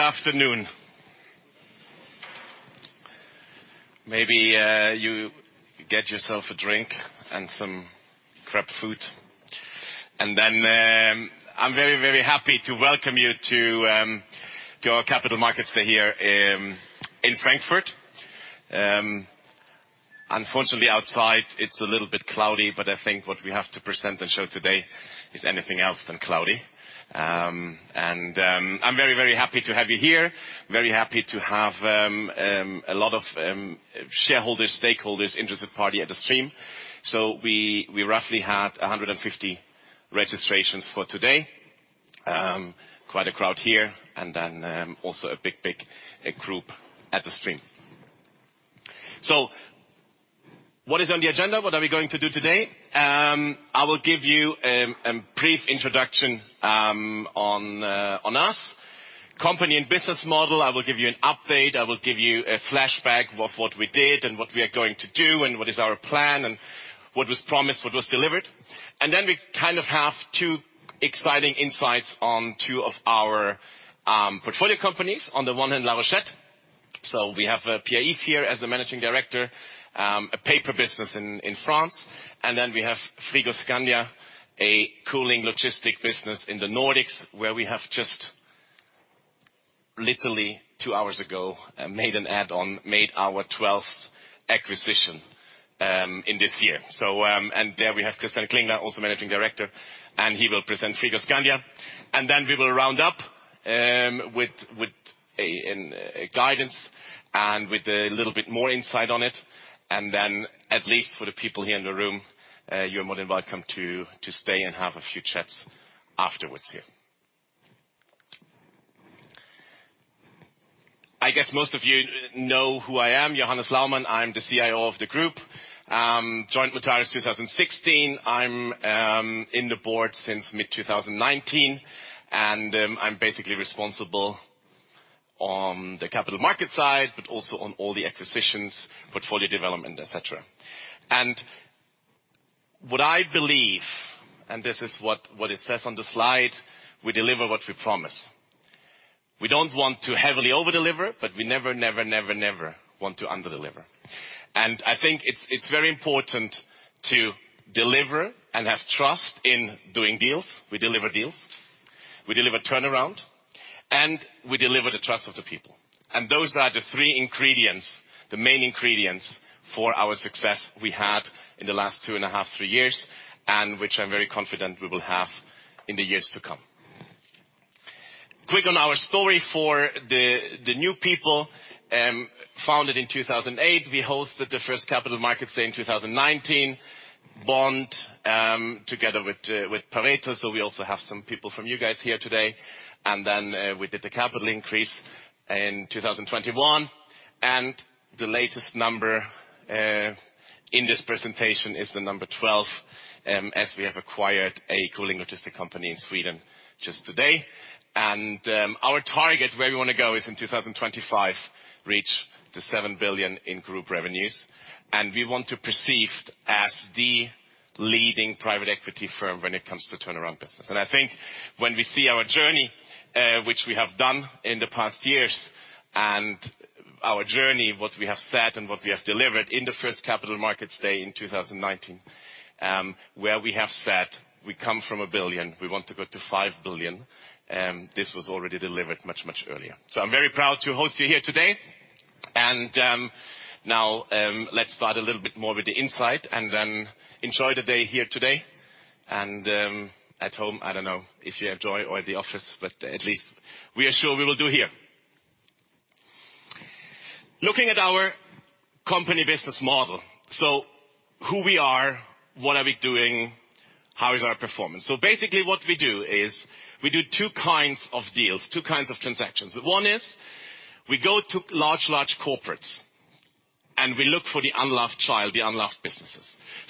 Good afternoon. Maybe you get yourself a drink and some crap food. I'm very, very happy to welcome you to your capital markets day here in Frankfurt. Unfortunately outside, it's a little bit cloudy, but I think what we have to present and show today is anything else than cloudy. I'm very, very happy to have you here, very happy to have a lot of shareholders, stakeholders, interested party at the stream. We roughly had 150 registrations for today. Quite a crowd here, also a big group at the stream. What is on the agenda? What are we going to do today? I will give you a brief introduction on us. Company and business model. I will give you an update. I will give you a flashback of what we did and what we are going to do and what is our plan and what was promised, what was delivered. Then we kind of have two exciting insights on two of our portfolio companies. On the one hand, La Rochette. We have Pierre-Yves here as the Managing Director, a paper business in France. Then we have Frigoscandia, a cooling logistic business in the Nordics, where we have just literally two hours ago made an add-on, our twelfth acquisition in this year. There we have Christian Klingler, also Managing Director, and he will present Frigoscandia. Then we will round up with a guidance and with a little bit more insight on it. At least for the people here in the room, you're more than welcome to stay and have a few chats afterwards here. I guess most of you know who I am, Johannes Laumann. I'm the CIO of the group. Joined Mutares 2016. I'm in the board since mid-2019, and I'm basically responsible on the capital market side, but also on all the acquisitions, portfolio development, et cetera. What I believe, and this is what it says on the slide, we deliver what we promise. We don't want to heavily over-deliver, but we never want to under-deliver. I think it's very important to deliver and have trust in doing deals. We deliver deals, we deliver turnaround, and we deliver the trust of the people. Those are the three ingredients, the main ingredients for our success we had in the last 2.5, three years, and which I'm very confident we will have in the years to come. Quick on our story for the new people, founded in 2008. We hosted the first capital markets day in 2019. Bond together with Pareto, so we also have some people from you guys here today. We did the capital increase in 2021. The latest number in this presentation is the number 12, as we have acquired a cooling logistics company in Sweden just today. Our target, where we wanna go, is in 2025, reach to 7 billion in group revenues. We want to be perceived as the leading private equity firm when it comes to turnaround business. I think when we see our journey, which we have done in the past years, what we have said and what we have delivered in the first capital markets day in 2019, where we have said, we come from 1 billion, we want to go to 5 billion. This was already delivered much earlier. I'm very proud to host you here today. Now, let's start a little bit more with the insight and then enjoy the day here today. At home, I don't know if you have joy or at the office, but at least we are sure we will do here. Looking at our company business model. Who we are, what are we doing, how is our performance? Basically, what we do is we do two kinds of deals, two kinds of transactions. One is we go to large corporates, and we look for the unloved child, the unloved businesses.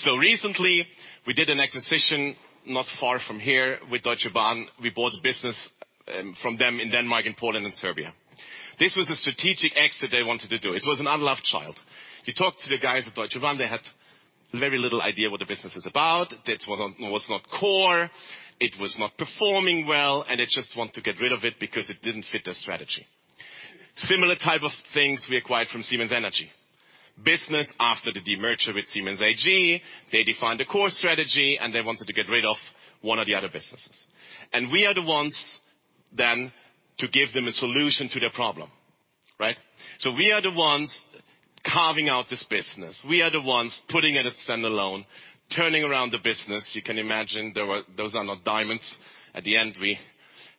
Recently, we did an acquisition not far from here with Deutsche Bahn. We bought a business from them in Denmark and Poland and Serbia. This was a strategic exit they wanted to do. It was an unloved child. You talk to the guys at Deutsche Bahn, they had very little idea what the business is about. That was not core, it was not performing well, and they just want to get rid of it because it didn't fit their strategy. Similar type of things we acquired from Siemens Energy. Business after the demerger with Siemens AG, they defined a core strategy and they wanted to get rid of one or the other businesses. We are the ones then to give them a solution to their problem, right? We are the ones carving out this business. We are the ones putting it at stand-alone, turning around the business. You can imagine those are not diamonds. At the end, we,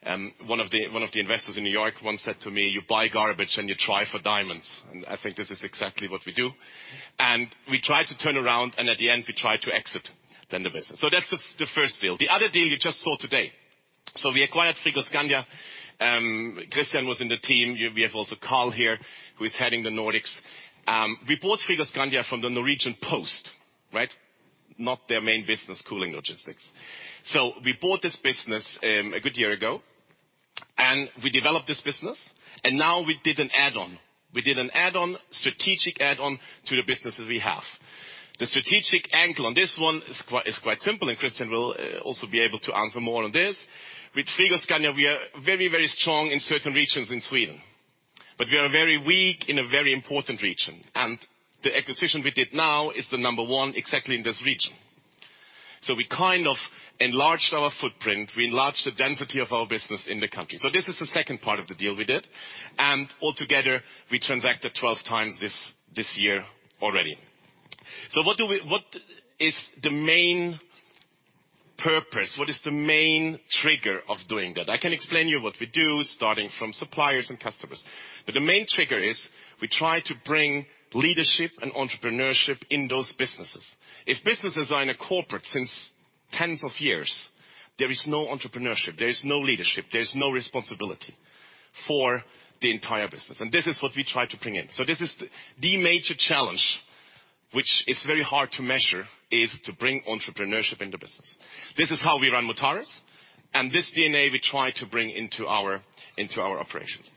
one of the investors in New York once said to me, "You buy garbage and you try for diamonds." I think this is exactly what we do. We try to turn around, and at the end, we try to exit then the business. That's the first deal. The other deal you just saw today. We acquired Frigoscandia. Christian was in the team. We have also Carl here, who is heading the Nordics. We bought Frigoscandia from Posten Norge, right? Not their main business, cooling logistics. We bought this business a good year ago and we developed this business and now we did an add-on, strategic add-on to the businesses we have. The strategic angle on this one is quite simple, and Christian will also be able to answer more on this. With Frigoscandia we are very, very strong in certain regions in Sweden, but we are very weak in a very important region, and the acquisition we did now is the number one exactly in this region. We kind of enlarged our footprint, we enlarged the density of our business in the country. This is the second part of the deal we did, and altogether, we transacted 12 times this year already. What is the main purpose? What is the main trigger of doing that? I can explain you what we do, starting from suppliers and customers. The main trigger is we try to bring leadership and entrepreneurship in those businesses. If businesses are in a corporate since tens of years, there is no entrepreneurship, there is no leadership, there is no responsibility for the entire business. This is what we try to bring in. This is the major challenge, which is very hard to measure, is to bring entrepreneurship in the business. This is how we run Mutares, and this DNA we try to bring into our operations.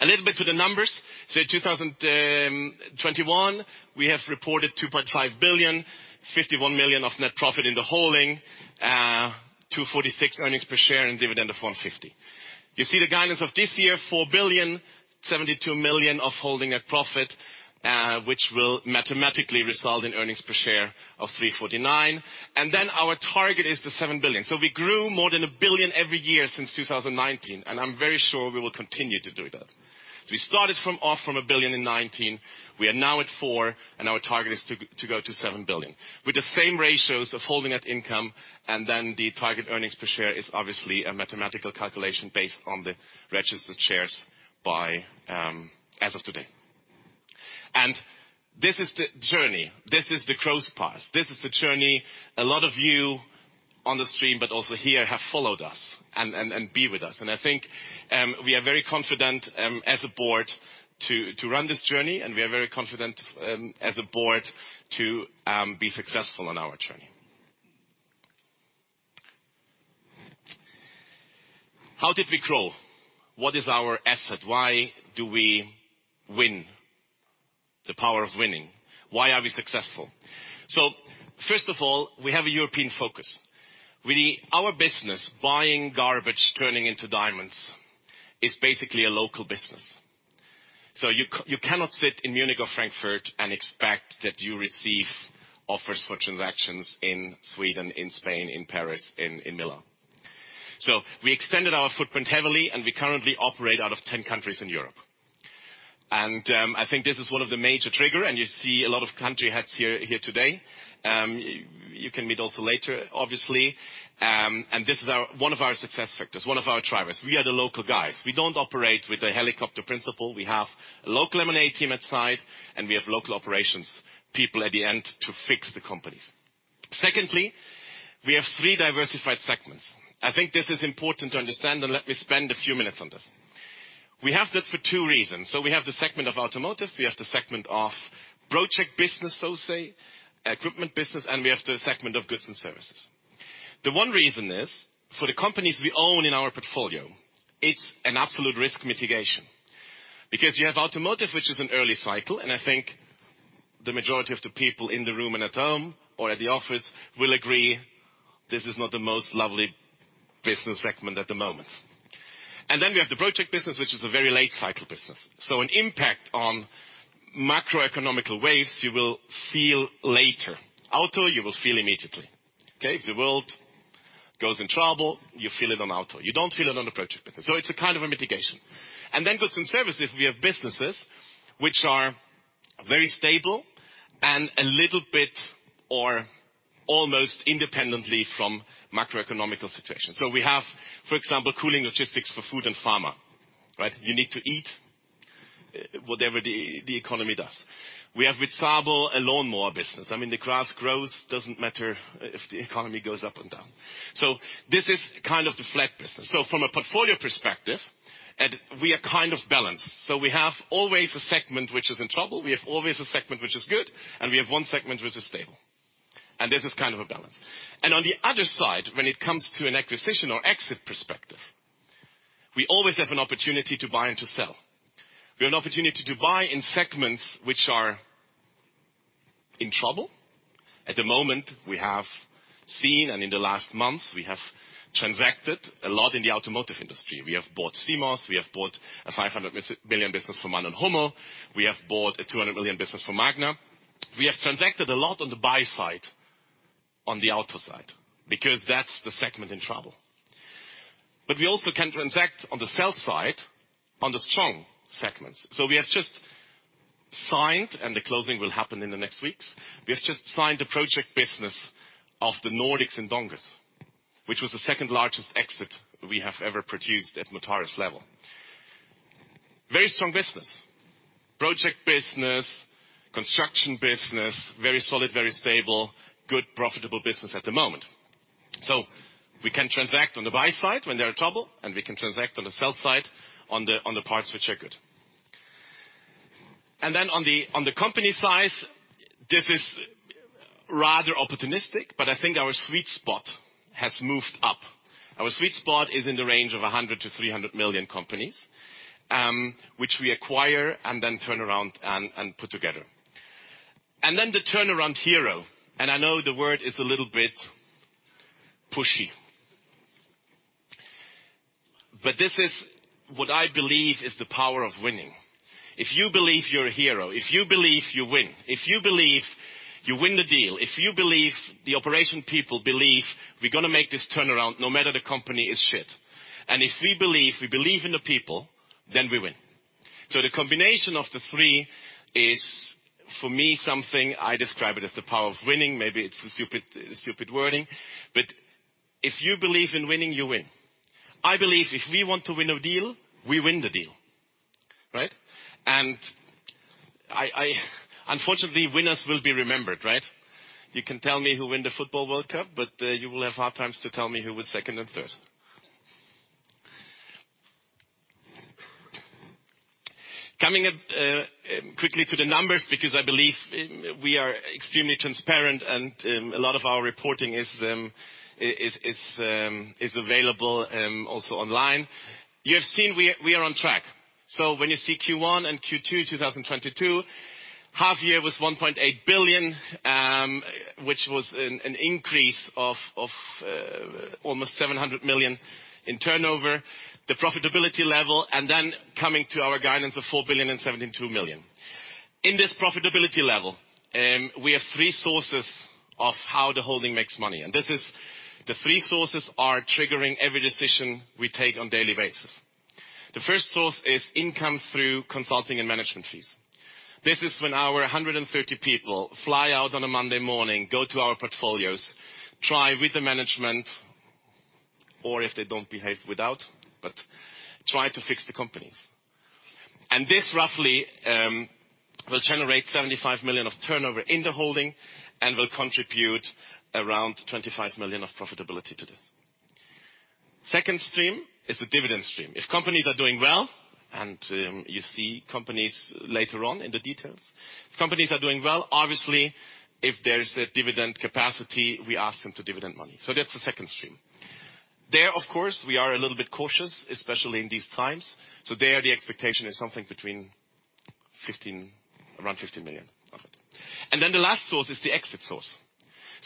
A little bit to the numbers. 2021, we have reported 2.551 billion of net profit in the holding, 2.46 earnings per share and dividend of 1.50. You see the guidance of this year, 4.072 billion of holding profit, which will mathematically result in earnings per share of 3.49. Our target is the 7 billion. We grew more than 1 billion every year since 2019, and I'm very sure we will continue to do that. We started from a billion in 2019, we are now at four, and our target is to go to 7 billion. With the same ratios of holding that income, and then the target earnings per share is obviously a mathematical calculation based on the registered shares by, as of today. This is the journey. This is the cross path. This is the journey a lot of you on the stream, but also here have followed us and be with us. I think we are very confident as a board to run this journey, and we are very confident as a board to be successful on our journey. How did we grow? What is our asset? Why do we win? The power of winning. Why are we successful? First of all, we have a European focus. Our business, buying garbage, turning into diamonds, is basically a local business. You cannot sit in Munich or Frankfurt and expect that you receive offers for transactions in Sweden, in Spain, in Paris, in Milan. We extended our footprint heavily, and we currently operate out of 10 countries in Europe. I think this is one of the major trigger, and you see a lot of country heads here today. You can meet also later, obviously. This is our, one of our success factors, one of our drivers. We are the local guys. We don't operate with a helicopter principle. We have a local M&A team at site, and we have local operations people at the end to fix the companies. Secondly, we have three diversified segments. I think this is important to understand, and let me spend a few minutes on this. We have that for two reasons. We have the segment of automotive, we have the segment of project business, so say, equipment business, and we have the segment of goods and services. The one reason is for the companies we own in our portfolio, it's an absolute risk mitigation. Because you have automotive, which is an early cycle, and I think the majority of the people in the room and at home or at the office will agree this is not the most lovely business segment at the moment. Then we have the project business, which is a very late cycle business. An impact on macroeconomic waves you will feel later. Auto, you will feel immediately, okay? If the world goes in trouble, you feel it on auto. You don't feel it on the project business. It's a kind of a mitigation. Then goods and services, we have businesses which are very stable and a little bit or almost independently from macroeconomic situations. We have, for example, cooling logistics for food and pharma, right? You need to eat whatever the economy does. We have with SABO, a lawnmower business. I mean, the grass grows, doesn't matter if the economy goes up and down. This is kind of the flat business. From a portfolio perspective, we are kind of balanced. We have always a segment which is in trouble, we have always a segment which is good, and we have one segment which is stable. This is kind of a balance. On the other side, when it comes to an acquisition or exit perspective, we always have an opportunity to buy and to sell. We have an opportunity to buy in segments which are in trouble. At the moment, we have seen, and in the last months, we have transacted a lot in the automotive industry. We have bought Cimos, we have bought a 500 million business from MANN+HUMMEL, we have bought a 200 million business from Magna. We have transacted a lot on the buy side, on the auto side, because that's the segment in trouble. We also can transact on the sell side, on the strong segments. We have just signed, and the closing will happen in the next weeks. We have just signed a project business of the Nordics and Donges, which was the second largest exit we have ever produced at Mutares level. Very strong business. Project business, construction business, very solid, very stable, good, profitable business at the moment. We can transact on the buy side when there are trouble, and we can transact on the sell side on the parts which are good. Then on the company size, this is rather opportunistic, but I think our sweet spot has moved up. Our sweet spot is in the range of 100-300 million companies, which we acquire and then turn around and put together. The turnaround hero, and I know the word is a little bit pushy. This is what I believe is the power of winning. If you believe you're a hero, if you believe you win, if you believe you win the deal, if you believe the operation people believe we're gonna make this turnaround no matter the company is sht. If we believe we believe in the people, then we win. The combination of the three is, for me, something I describe it as the power of winning. Maybe it's a stupid wording, but if you believe in winning, you win. I believe if we want to win a deal, we win the deal, right? I Unfortunately, winners will be remembered, right? You can tell me who win the Football World Cup, but you will have hard times to tell me who was second and third. Coming up quickly to the numbers, because I believe we are extremely transparent and a lot of our reporting is available also online. You have seen we are on track. When you see Q1 and Q2, 2022, half year was 1.8 billion, which was an increase of almost 700 million in turnover. The profitability level and then coming to our guidance of 4 billion and 72 million. In this profitability level, we have three sources of how the holding makes money. This is the three sources are triggering every decision we take on daily basis. The first source is income through consulting and management fees. This is when our 130 people fly out on a Monday morning, go to our portfolios, work with the management, or if they don't behave, work without, but try to fix the companies. This roughly will generate 75 million of turnover in the holding and will contribute around 25 million of profitability to this. Second stream is the dividend stream. If companies are doing well, you see companies later on in the details. If companies are doing well, obviously, if there is a dividend capacity, we ask them to dividend money. That's the second stream. There, of course, we are a little bit cautious, especially in these times. There the expectation is around 15 million of it. Then the last source is the exit source.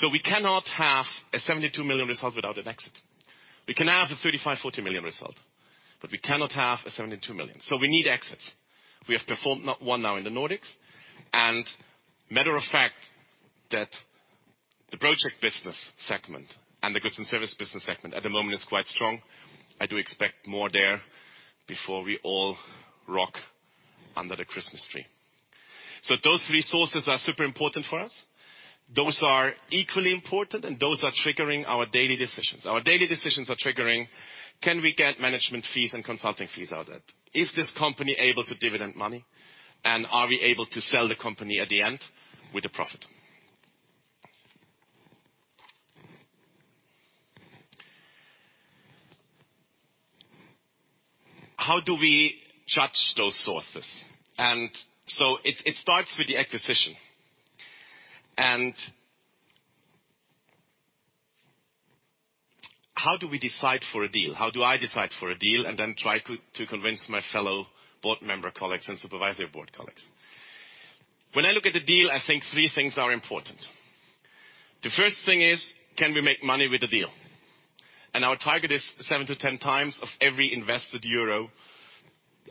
We cannot have a 72 million result without an exit. We can have a 35-40 million result, but we cannot have a 72 million. We need exits. We have performed not one now in the Nordics. Matter of fact, that the project business segment and the goods and service business segment at the moment is quite strong. I do expect more there before we all rock under the Christmas tree. Those three sources are super important for us. Those are equally important, and those are triggering our daily decisions. Our daily decisions are triggering, can we get management fees and consulting fees out of it? Is this company able to dividend money? Are we able to sell the company at the end with a profit? How do we judge those sources? It starts with the acquisition. How do we decide for a deal? How do I decide for a deal and then try to convince my fellow board member colleagues and supervisory board colleagues? When I look at the deal, I think three things are important. The first thing is, can we make money with the deal? Our target is 7-10 times of every invested EUR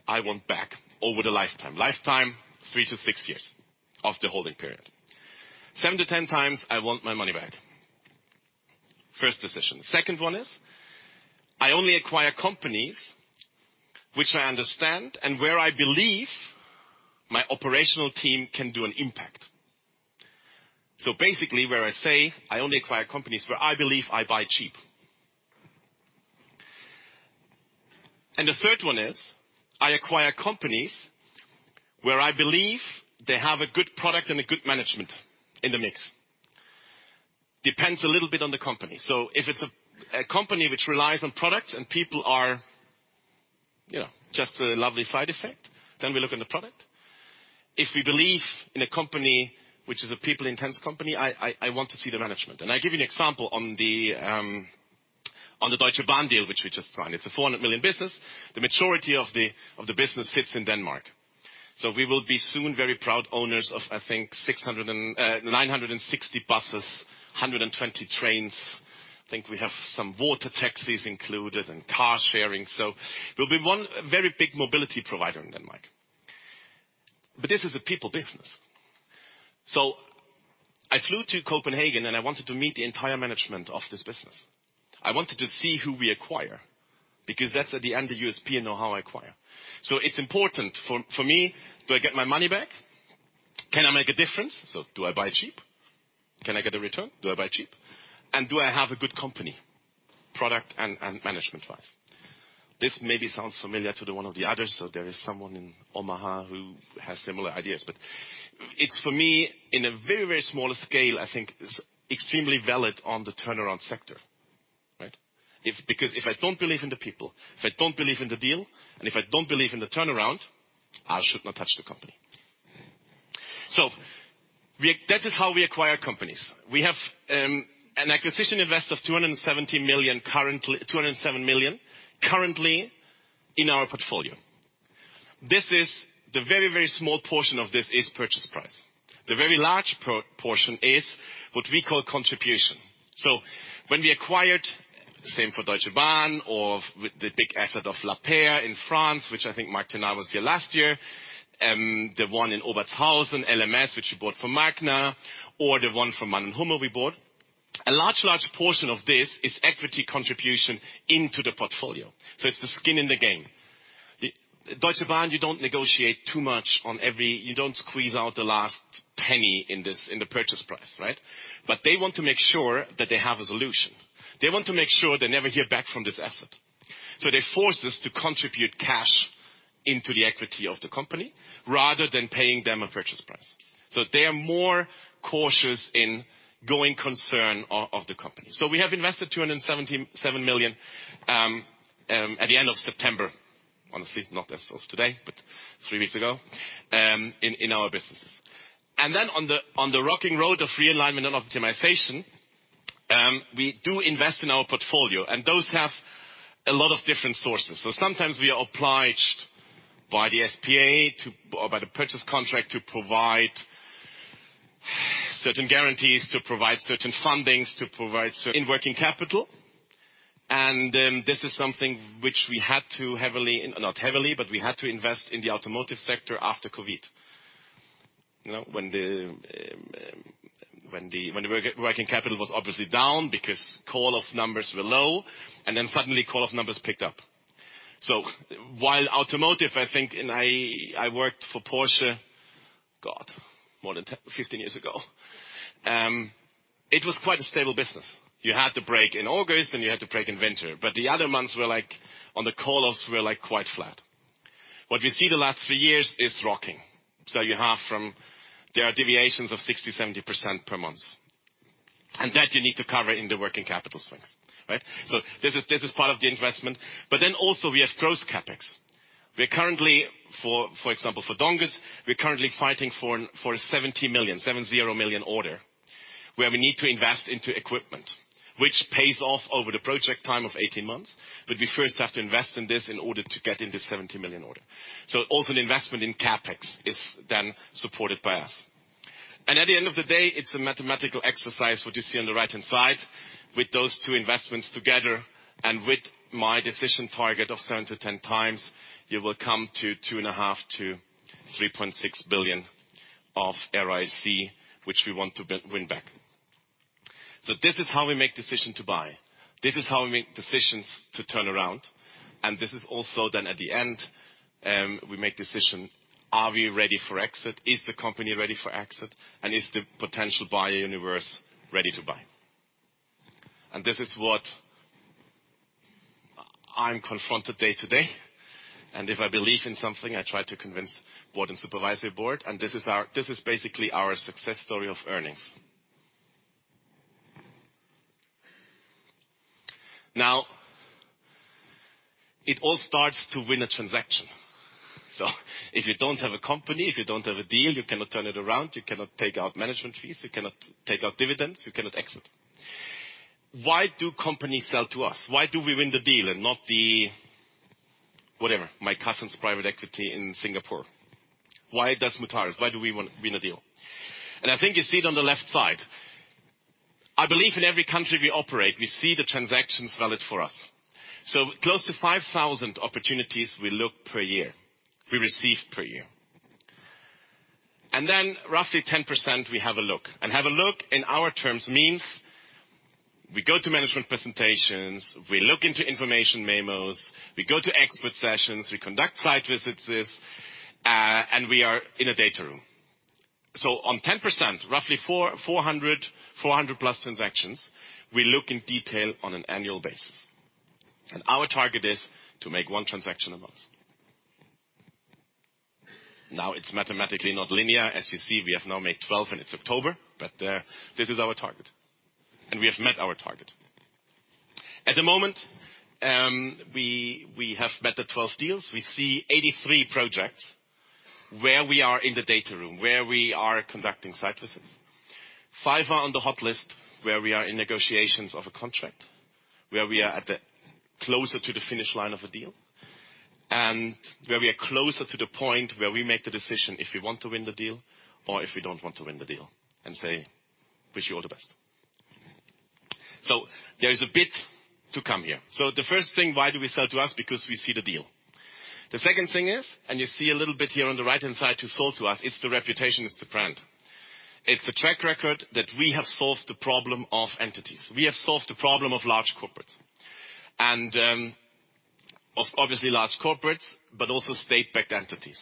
I want back over the lifetime. Lifetime, three to six years of the holding period. 7-10 times I want my money back. First decision. Second one is, I only acquire companies which I understand and where I believe my operational team can do an impact. So basically, where I say I only acquire companies where I believe I buy cheap. The third one is I acquire companies where I believe they have a good product and a good management in the mix. Depends a little bit on the company. If it's a company which relies on product and people are, you know, just a lovely side effect, then we look on the product. If we believe in a company which is a people intense company, I want to see the management. I give you an example on the Deutsche Bahn deal, which we just signed. It's a 400 million business. The majority of the business sits in Denmark. We will be soon very proud owners of, I think, 960 buses, 120 trains. I think we have some water taxis included and car sharing. We'll be one very big mobility provider in Denmark. This is a people business. I flew to Copenhagen and I wanted to meet the entire management of this business. I wanted to see who we acquire because that's at the end, the USP and know how I acquire. It's important for me, do I get my money back? Can I make a difference? Do I buy cheap? Can I get a return? Do I buy cheap? And do I have a good company, product and management wise? This maybe sounds familiar to the one of the others. There is someone in Omaha who has similar ideas. But it's for me in a very, very small scale, I think is extremely valid on the turnaround sector. Right? Because if I don't believe in the people, if I don't believe in the deal, and if I don't believe in the turnaround, I should not touch the company. That is how we acquire companies. We have an acquisition investment of 270 million currently—EUR 207 million currently in our portfolio. This is the very, very small portion of this is purchase price. The very large portion is what we call contribution. When we acquired, same for Deutsche Bahn or with the big asset of Lapeyre in France, which I think Mark Friedrich was here last year, the one in Obertshausen, LMS, which we bought from Magna, or the one from MANN+HUMMEL we bought. A large portion of this is equity contribution into the portfolio. It's the skin in the game. The Deutsche Bahn, you don't negotiate too much. You don't squeeze out the last penny in this, in the purchase price, right? They want to make sure that they have a solution. They want to make sure they never hear back from this asset. They force us to contribute cash into the equity of the company rather than paying them a purchase price. They are more cautious in going concern of the company. We have invested 277 million at the end of September, honestly, not as of today, but three weeks ago, in our businesses. Then on the rocky road of realignment and optimization, we do invest in our portfolio, and those have a lot of different sources. Sometimes we are obliged by the SPA to or by the purchase contract to provide certain guarantees, to provide certain fundings, to provide in working capital. This is something which we had to invest in the automotive sector after COVID. You know, when the working capital was obviously down because call-off numbers were low, and then suddenly call-off numbers picked up. While automotive, I think, and I worked for Porsche, God, more than 15 years ago. It was quite a stable business. You had the break in August, and you had the break in winter. The other months were like, on the call-offs, were like quite flat. What we see the last three years is rocking. You have from, there are deviations of 60, 70% per month. That you need to cover in the working capital swings, right? This is part of the investment. We have gross CapEx. We're currently, for example, for Donges, fighting for a 70 million order, where we need to invest into equipment, which pays off over the project time of 18 months. We first have to invest in this to get this 70 million order. The investment in CapEx is then supported by us. At the end of the day, it's a mathematical exercise, what you see on the right-hand side with those two investments together and with my decision target of 7-10x, you will come to 2.5-3.6 billion of ROIC, which we want to win back. This is how we make decision to buy. This is how we make decisions to turn around. This is also then at the end, we make decision, are we ready for exit? Is the company ready for exit? Is the potential buyer universe ready to buy? This is what I'm confronted day to day. If I believe in something, I try to convince board and supervisory board. This is our, this is basically our success story of earnings. It all starts to win a transaction. If you don't have a company, if you don't have a deal, you cannot turn it around, you cannot take out management fees, you cannot take out dividends, you cannot exit. Why do companies sell to us? Why do we win the deal and not the, whatever, my cousin's private equity in Singapore? Why does Mutares? Why do we win a deal? I think you see it on the left side. I believe in every country we operate, we see the transactions valid for us. Close to 5,000 opportunities we look per year, we receive per year. Then roughly 10% we have a look. Have a look in our terms means we go to management presentations, we look into information memos, we go to expert sessions, we conduct site visits, and we are in a data room. On 10%, roughly 400 plus transactions, we look in detail on an annual basis. Our target is to make one transaction a month. Now, it's mathematically not linear. As you see, we have now made 12 and it's October, but this is our target. We have met our target. At the moment, we have met the 12 deals. We see 83 projects where we are in the data room, where we are conducting site visits. 5 are on the hot list where we are in negotiations of a contract, where we are at the closer to the finish line of a deal, and where we are closer to the point where we make the decision if we want to win the deal or if we don't want to win the deal and say, "Wish you all the best." There is a bit to come here. The first thing, why do we sell to us? Because we see the deal. The second thing is, and you see a little bit here on the right-hand side to sell to us, it's the reputation, it's the brand. It's the track record that we have solved the problem of entities. We have solved the problem of large corporates. Obviously large corporates, but also state-backed entities.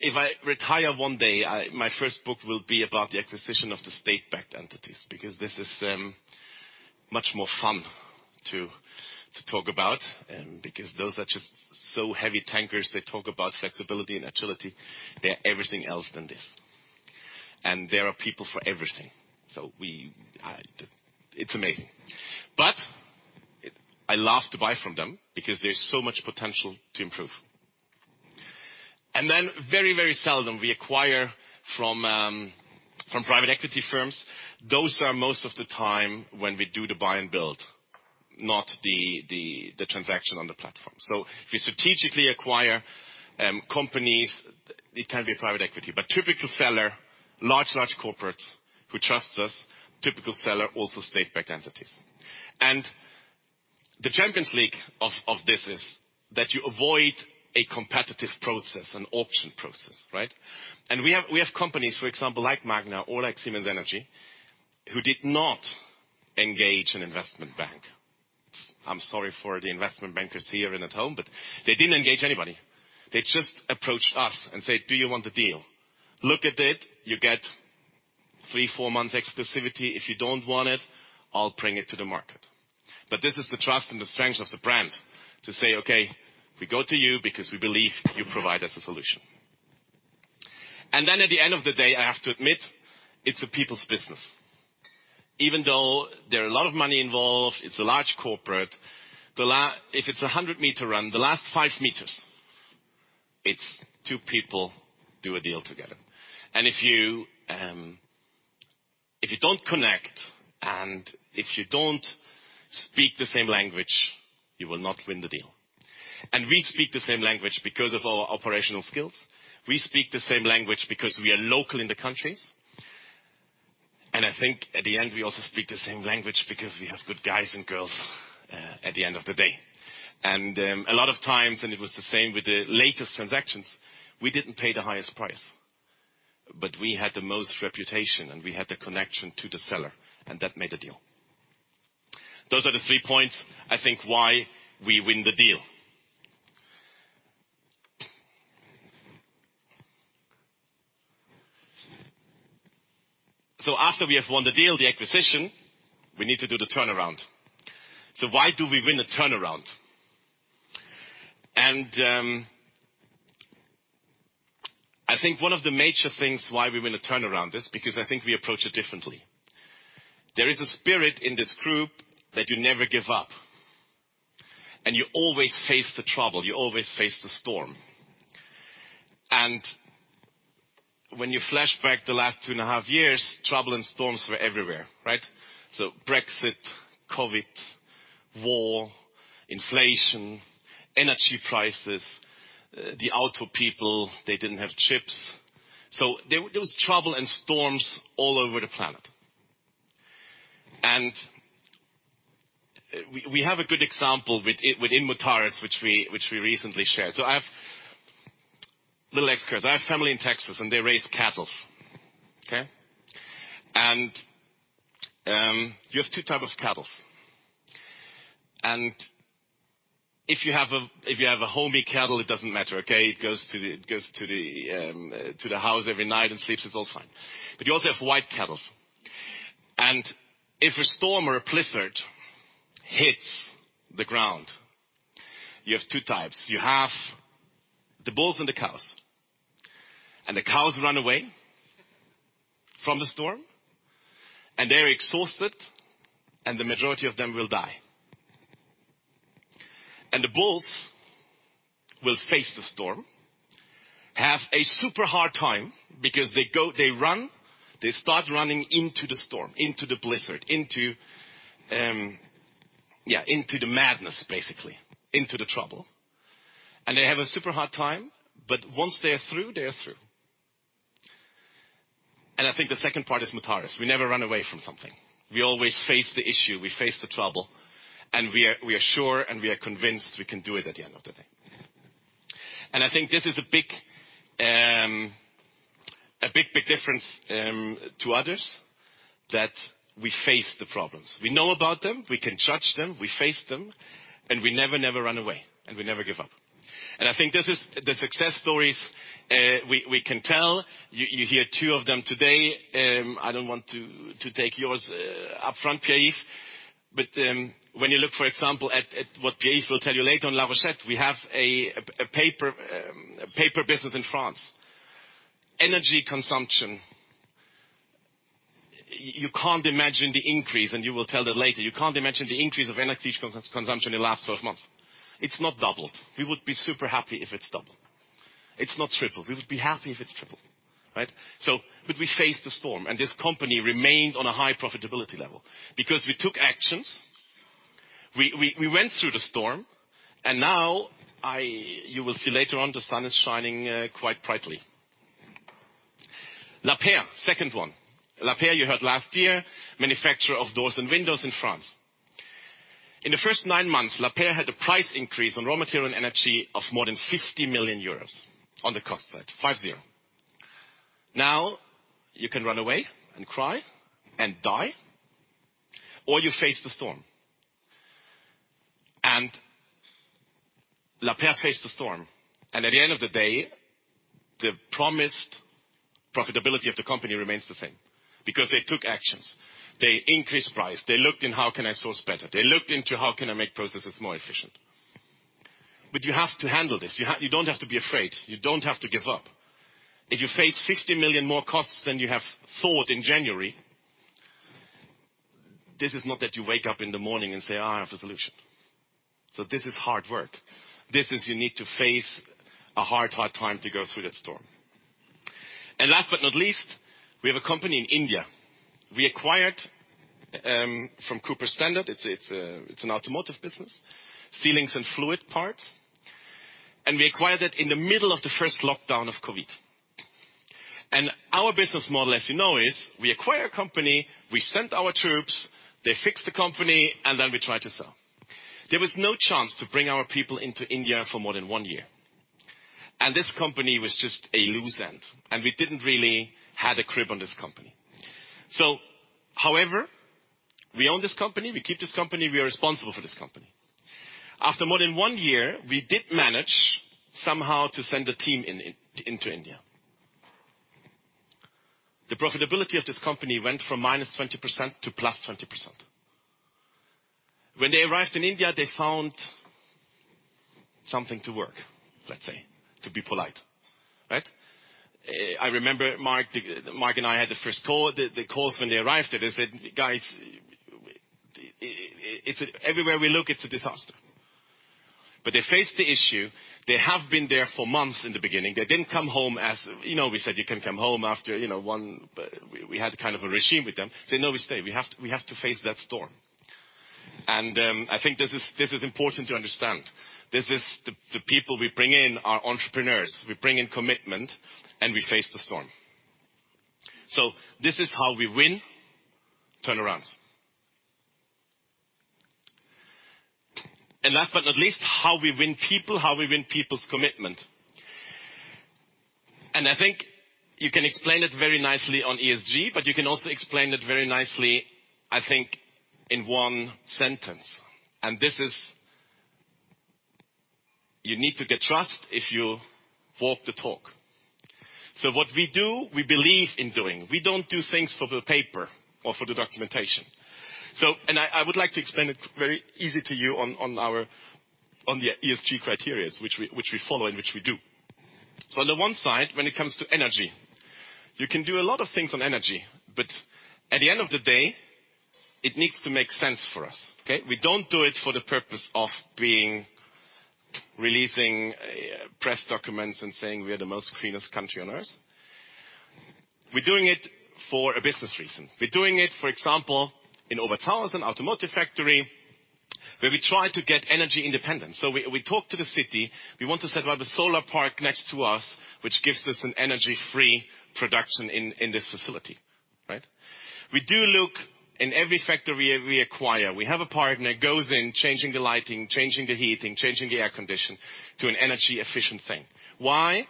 If I retire one day, my first book will be about the acquisition of the state-backed entities, because this is much more fun to talk about, because those are just so heavy tankers. They talk about flexibility and agility. They're everything else than this. There are people for everything. It's amazing. I love to buy from them because there's so much potential to improve. Then very seldom we acquire from private equity firms. Those are most of the time when we do the buy and build, not the transaction on the platform. If we strategically acquire companies, it can be private equity. Typical seller, large corporates who trust us, typical seller, also state-backed entities. The champions league of this is that you avoid a competitive process, an auction process, right? We have companies, for example, like Magna or like Siemens Energy, who did not engage an investment bank. I'm sorry for the investment bankers here and at home, but they didn't engage anybody. They just approached us and said, "Do you want the deal? Look at it, you get three to four months exclusivity. If you don't want it, I'll bring it to the market." This is the trust and the strength of the brand to say, "Okay, we go to you because we believe you provide us a solution." At the end of the day, I have to admit, it's a people's business. Even though there are a lot of money involved, it's a large corporate. If it's a 100-meter run, the last five meters, it's two people do a deal together. If you don't connect and if you don't speak the same language, you will not win the deal. We speak the same language because of our operational skills. We speak the same language because we are local in the countries. I think at the end, we also speak the same language because we have good guys and girls at the end of the day. A lot of times, and it was the same with the latest transactions, we didn't pay the highest price, but we had the most reputation, and we had the connection to the seller, and that made a deal. Those are the three points, I think, why we win the deal. After we have won the deal, the acquisition, we need to do the turnaround. Why do we win a turnaround? I think one of the major things why we win a turnaround is because I think we approach it differently. There is a spirit in this group that you never give up, and you always face the trouble, you always face the storm. When you flashback the last two and a half years, trouble and storms were everywhere, right? Brexit, COVID, war, inflation, energy prices, the auto people, they didn't have chips. There was trouble and storms all over the planet. We have a good example with Mutares, which we recently shared. I have family in Texas, and they raise cattles, okay? You have two type of cattles. If you have a homey cattle, it doesn't matter, okay? It goes to the house every night and sleeps, it's all fine. You also have wild cattle. If a storm or a blizzard hits the ground, you have two types. You have the bulls and the cows. The cows run away from the storm, and they're exhausted, and the majority of them will die. The bulls will face the storm, have a super hard time because they go, they run, they start running into the storm, into the blizzard, into yeah, into the madness, basically, into the trouble. They have a super hard time, but once they are through, they are through. I think the second part is Mutares. We never run away from something. We always face the issue. We face the trouble. We are sure and convinced we can do it at the end of the day. I think this is a big difference to others that we face the problems. We know about them, we can judge them, we face them, and we never run away, and we never give up. I think this is the success stories we can tell. You hear two of them today. I don't want to take yours upfront, Pierre-Yves. When you look, for example, at what Pierre-Yves will tell you later on La Rochette, we have a paper business in France. Energy consumption. You can't imagine the increase, and you will tell that later. You can't imagine the increase of energy consumption in the last 12 months. It's not doubled. We would be super happy if it's doubled. It's not tripled. We would be happy if it's tripled, right? But we faced the storm, and this company remained on a high profitability level because we took actions. We went through the storm, and now you will see later on, the sun is shining quite brightly. Lapeyre, second one. Lapeyre, you heard last year, manufacturer of doors and windows in France. In the first nine months, Lapeyre had a price increase on raw material and energy of more than 50 million euros on the cost side. 50. Now, you can run away and cry and die, or you face the storm. Lapeyre faced the storm, and at the end of the day, the promised profitability of the company remains the same because they took actions. They increased price. They looked in how can I source better. They looked into how can I make processes more efficient. But you have to handle this. You don't have to be afraid. You don't have to give up. If you face 50 million more costs than you have thought in January, this is not that you wake up in the morning and say, "I have the solution." This is hard work. This is you need to face a hard, hard time to go through that storm. Last but not least, we have a company in India we acquired from Cooper Standard. It's an automotive business, sealing and fluid parts. We acquired that in the middle of the first lockdown of COVID. Our business model, as you know, is we acquire a company, we send our troops, they fix the company, and then we try to sell. There was no chance to bring our people into India for more than one year. This company was just a loose end, and we didn't really had a grip on this company. However, we own this company, we keep this company, we are responsible for this company. After more than one year, we did manage somehow to send a team into India. The profitability of this company went from -20% - +20%. When they arrived in India, they found something to work, let's say, to be polite, right? I remember Mark and I had the first call. The calls when they arrived, they said, "Guys, it's everywhere we look, it's a disaster." They faced the issue. They have been there for months in the beginning. They didn't come home as you know, we said you can come home after, you know, one. We had kind of a regime with them. Say, "No, we stay. We have to face that storm." I think this is important to understand. This is the people we bring in are entrepreneurs. We bring in commitment, and we face the storm. This is how we win turnarounds. Last but not least, how we win people, how we win people's commitment. I think you can explain it very nicely on ESG, but you can also explain it very nicely, I think, in one sentence. This is you need to get trust if you walk the talk. What we do, we believe in doing. We don't do things for the paper or for the documentation. I would like to explain it very easy to you on our, on the ESG criteria, which we follow and which we do. On the one side, when it comes to energy, you can do a lot of things on energy, but at the end of the day, it needs to make sense for us, okay? We don't do it for the purpose of being, releasing press documents and saying we are the most cleanest country on Earth. We're doing it for a business reason. We're doing it, for example, in Obertshausen automotive factory, where we try to get energy independence. We talk to the city. We want to set up a solar park next to us, which gives us an energy-free production in this facility, right? We do look in every factory we acquire. We have a partner, goes in, changing the lighting, changing the heating, changing the air condition to an energy-efficient thing. Why?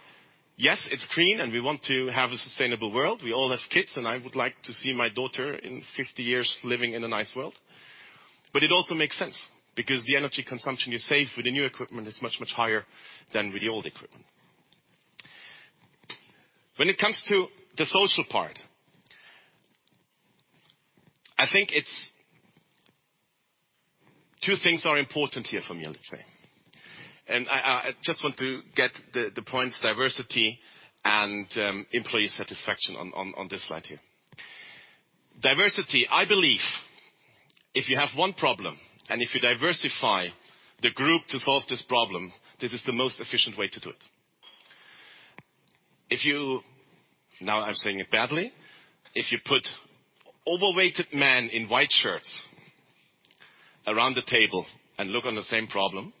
Yes, it's clean, and we want to have a sustainable world. We all have kids, and I would like to see my daughter in 50 years living in a nice world. It also makes sense because the energy consumption you save with the new equipment is much, much higher than with the old equipment. When it comes to the social part, I think it's. Two things are important here for me, let's say. I just want to get the points diversity and employee satisfaction on this slide here. Diversity, I believe if you have one problem and if you diversify the group to solve this problem, this is the most efficient way to do it. Now I'm saying it badly. If you put overweighted men in white shirts around the table and look on the same problem,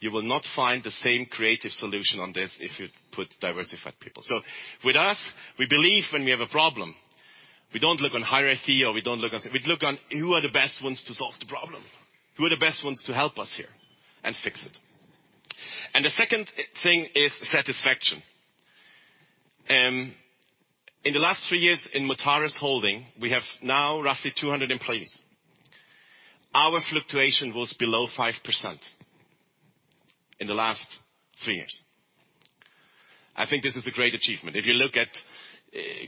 you will not find the same creative solution on this if you put diversified people. With us, we believe when we have a problem, we don't look on hierarchy. We look on who are the best ones to solve the problem, who are the best ones to help us here and fix it. The second thing is satisfaction. In the last three years in Mutares Holding, we have now roughly 200 employees. Our fluctuation was below 5% in the last three years. I think this is a great achievement. If you look at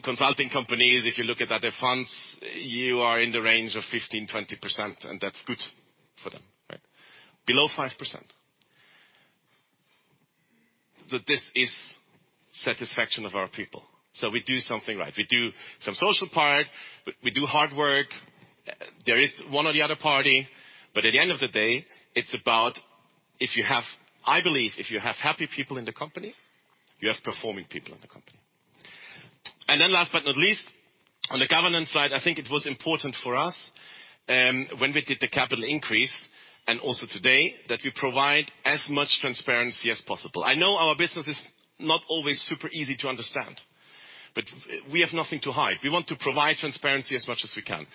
consulting companies, if you look at other funds, you are in the range of 15%-20%, and that's good for them, right? Below 5%. This is satisfaction of our people. We do something right. We do some social part. We do hard work. There is one or the other party. At the end of the day, it's about. I believe if you have happy people in the company, you have performing people in the company. Then last but not least, on the governance side, I think it was important for us, when we did the capital increase and also today that we provide as much transparency as possible. I know our business is not always super easy to understand, but we have nothing to hide. We want to provide transparency as much as we can.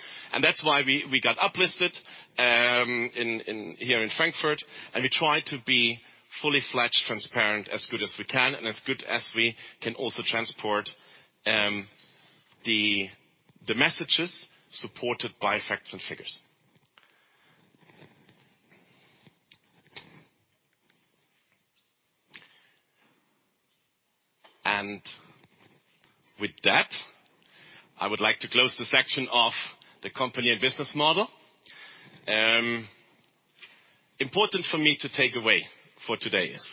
That's why we got uplisted in Frankfurt, and we try to be fully fledged transparent as good as we can and as good as we can also transport the messages supported by facts and figures. With that, I would like to close the section of the company and business model. Important for me to take away for today is,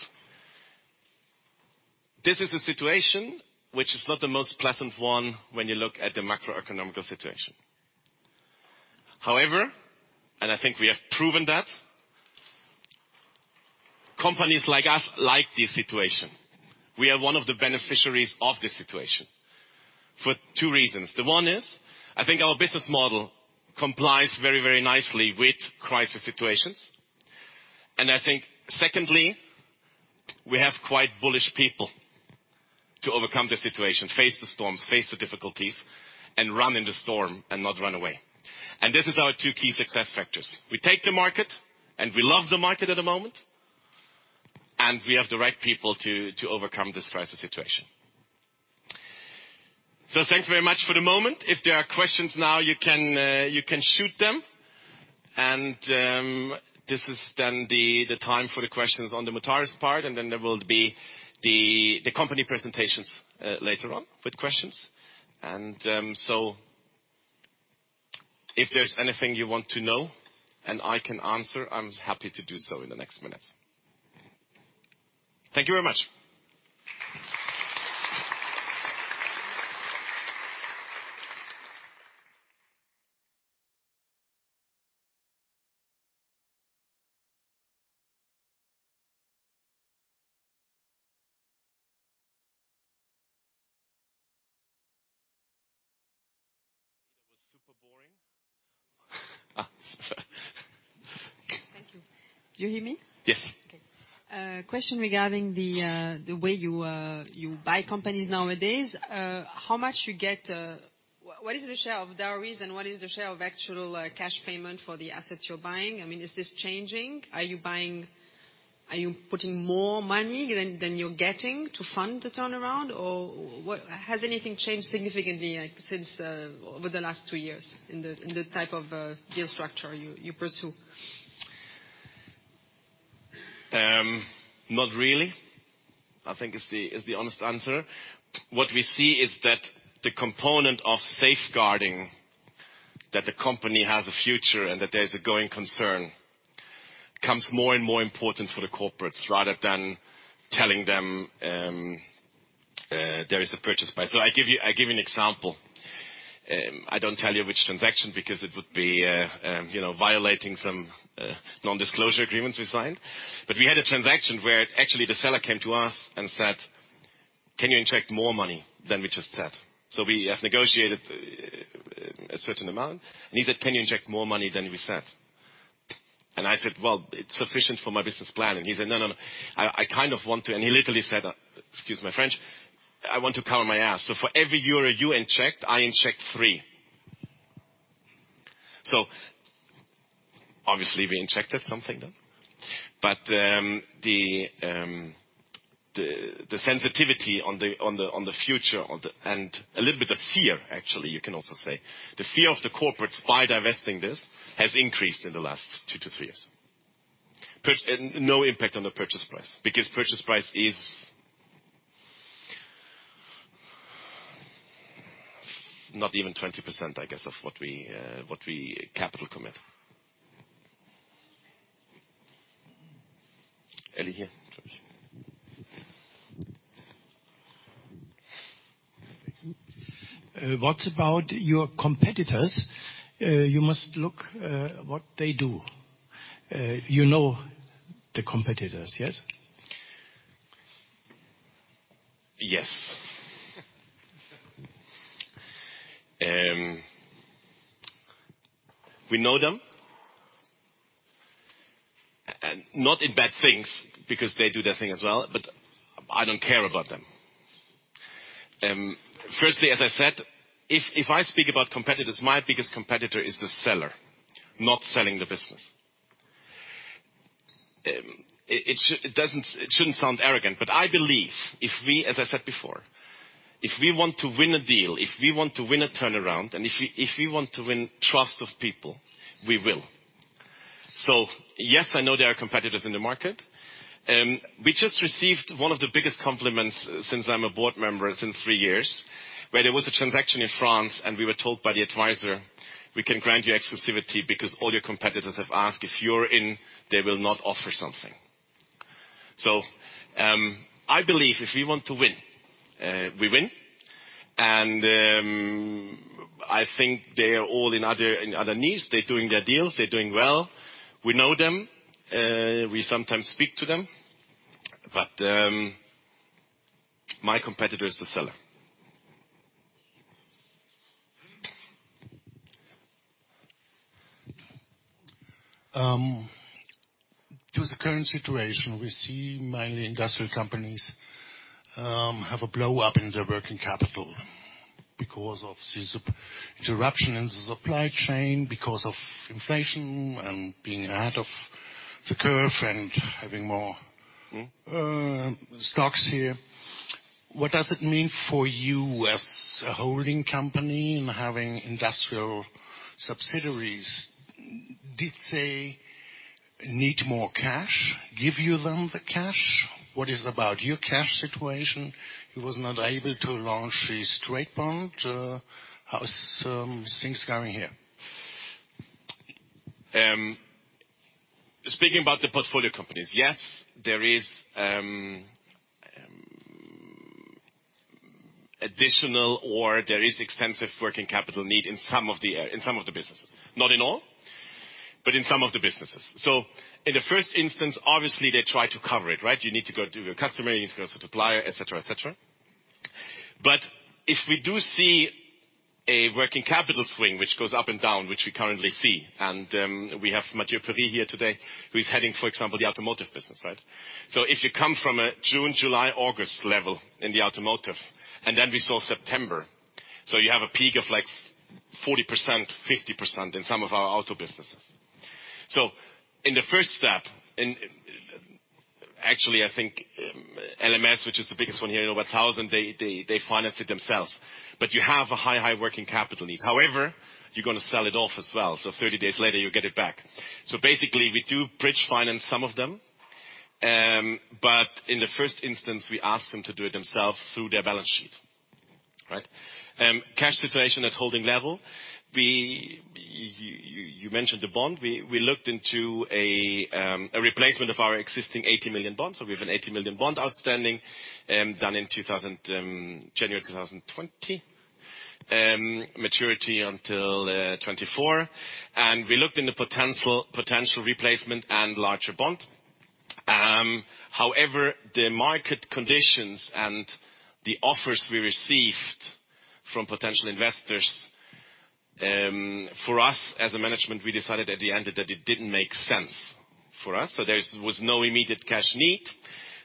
this is a situation which is not the most pleasant one when you look at the macroeconomic situation. However, I think we have proven that, companies like us like this situation. We are one of the beneficiaries of this situation for two reasons. The one is, I think our business model complies very, very nicely with crisis situations. I think secondly, we have quite bullish people to overcome the situation, face the storms, face the difficulties, and run in the storm and not run away. This is our two key success factors. We take the market, and we love the market at the moment, and we have the right people to overcome this crisis situation. Thanks very much for the moment. If there are questions now, you can shoot them. This is then the time for the questions on the Mutares part, and then there will be the company presentations later on with questions. If there's anything you want to know and I can answer, I'm happy to do so in the next minutes. Thank you very much. It was super boring. Thank you. Do you hear me? Yes. Okay. Question regarding the way you buy companies nowadays, how much you get, what is the share of their reason? What is the share of actual cash payment for the assets you're buying? I mean, is this changing? Are you putting more money than you're getting to fund the turnaround? Or what? Has anything changed significantly, like, since over the last two years in the type of deal structure you pursue? Not really, I think is the honest answer. What we see is that the component of safeguarding that the company has a future and that there's a going concern becomes more and more important for the corporates, rather than telling them there is a purchase price. I give you an example. I don't tell you which transaction because it would be, you know, violating some non-disclosure agreements we signed. We had a transaction where actually the seller came to us and said, "Can you inject more money than we just said?" We have negotiated a certain amount, and he said, "Can you inject more money than we said?" I said, "Well, it's sufficient for my business plan." He said, "No, no. I kind of want to... He literally said, excuse my French, "I want to cover my ass. For every euro you inject, I inject three." Obviously we injected something then. The sensitivity on the future, and a little bit of fear, actually, you can also say, the fear of the corporates by divesting this has increased in the last two to three years. No impact on the purchase price because purchase price is not even 20%, I guess, of what we capital commit. Ellie here. What about your competitors? You must look, what they do. You know the competitors, yes? Yes. We know them. Not in bad things because they do their thing as well, but I don't care about them. Firstly, as I said, if I speak about competitors, my biggest competitor is the seller not selling the business. It shouldn't sound arrogant, but I believe if we, as I said before, if we want to win a deal, if we want to win a turnaround, and if we want to win trust of people, we will. Yes, I know there are competitors in the market. We just received one of the biggest compliments since I'm a board member, since three years, where there was a transaction in France, and we were told by the advisor, "We can grant you exclusivity because all your competitors have asked. If you're in, they will not offer something. I believe if we want to win, we win. I think they are all in other needs. They're doing their deals. They're doing well. We know them. We sometimes speak to them. My competitor is the seller. To the current situation, we see many industrial companies have a blow up in their working capital because of this interruption in the supply chain, because of inflation and being ahead of the curve and having more- Mm-hmm. Stocks here. What does it mean for you as a holding company and having industrial subsidiaries? Did they need more cash? Give you them the cash? What is about your cash situation? You was not able to launch a straight bond. How is things going here? Speaking about the portfolio companies, yes, there is additional or there is extensive working capital need in some of the businesses. Not in all, but in some of the businesses. In the first instance, obviously, they try to cover it, right? You need to go to your customer, you need to go to supplier, etc, etc. If we do see a working capital swing which goes up and down, which we currently see, and we have Mathieu Perry here today, who is heading, for example, the automotive business, right? If you come from a June, July, August level in the automotive, and then we saw September. You have a peak of like 40%, 50% in some of our auto businesses. In the first step, actually, I think LMS, which is the biggest one here, over 1,000, they finance it themselves. You have a high working capital need. However, you're gonna sell it off as well. 30 days later, you get it back. Basically, we do bridge finance some of them. But in the first instance, we ask them to do it themselves through their balance sheet, right? Cash situation at holding level, you mentioned the bond. We looked into a replacement of our existing 80 million bond. We have an 80 million bond outstanding, done in January 2020. Maturity until 2024. We looked into the potential replacement and larger bond. However, the market conditions and the offers we received from potential investors, for us as a management, we decided at the end that it didn't make sense for us. There was no immediate cash need.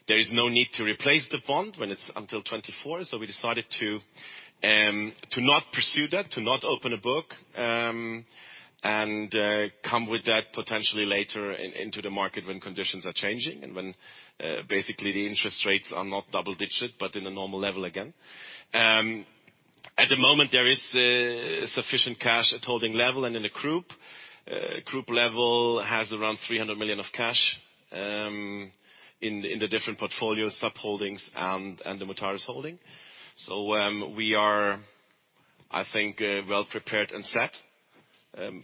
There is no need to replace the bond when it's until 2024. We decided to not pursue that, to not open a book, and come with that potentially later into the market when conditions are changing and when basically the interest rates are not double-digit, but in a normal level again. At the moment, there is sufficient cash at holding level and in the group. Group level has around 300 million of cash, in the different portfolios, sub-holdings and the Mutares holding. We are, I think, well prepared and set,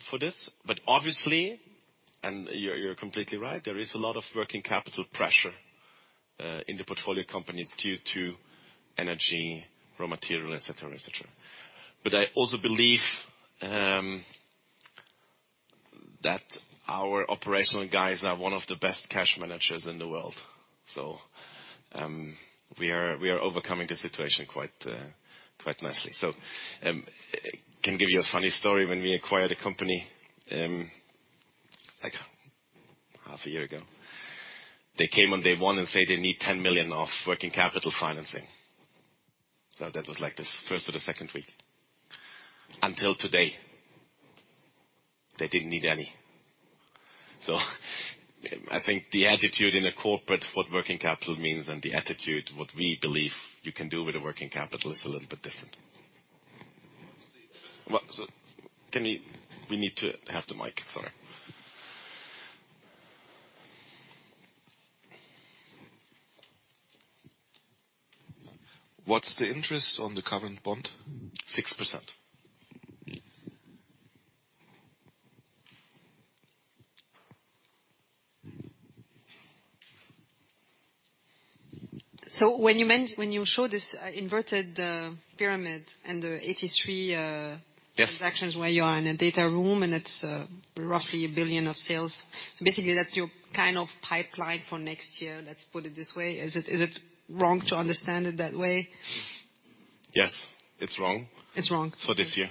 for this. Obviously, you're completely right, there is a lot of working capital pressure in the portfolio companies due to energy, raw material, etc, etc. I also believe that our operational guys are one of the best cash managers in the world. We are overcoming the situation quite nicely. Can give you a funny story. When we acquired a company, like half a year ago, they came on day one and say they need 10 million of working capital financing. That was like the first or the second week. Until today, they didn't need any. I think the attitude in a corporate, what working capital means and the attitude, what we believe you can do with the working capital is a little bit different. What's the- We need to have the mic. Sorry. What's the interest on the current bond? 6%. When you show this inverted pyramid and the 83, Yes. Transactions where you are in a data room and it's roughly 1 billion of sales. Basically, that's your kind of pipeline for next year. Let's put it this way. Is it wrong to understand it that way? Yes, it's wrong. It's wrong. For this year.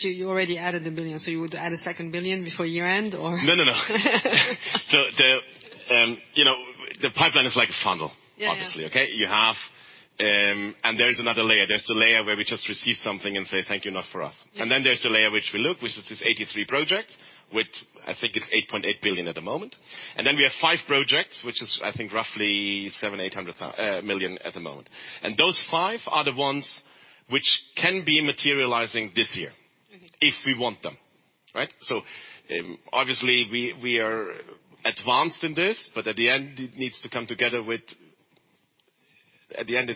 You already added 1 billion, so you would add a second 1 billion before year-end or? No, no. You know, the pipeline is like a funnel. Yeah. Obviously, okay? You have, and there is another layer. There's the layer where we just receive something and say, "Thank you, not for us. Mm-hmm. There's the layer which we look, which is this 83 projects, which I think it's 8.8 billion at the moment. We have five projects, which is I think roughly 700-800 million at the moment. Those five are the ones which can be materializing this year. Mm-hmm. If we want them, right? Obviously we are advanced in this. At the end, it's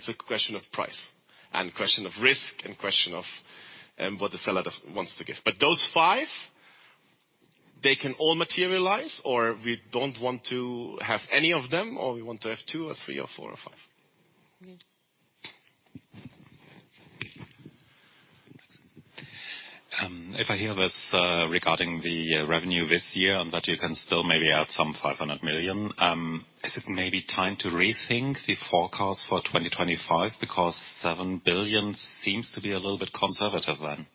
a question of price and question of risk and question of what the seller wants to give. Those five, they can all materialize, or we don't want to have any of them, or we want to have two or three or four or five. Yeah. If I hear this, regarding the revenue this year and that you can still maybe add some 500 million, is it maybe time to rethink the forecast for 2025? Because 7 billion seems to be a little bit conservative then.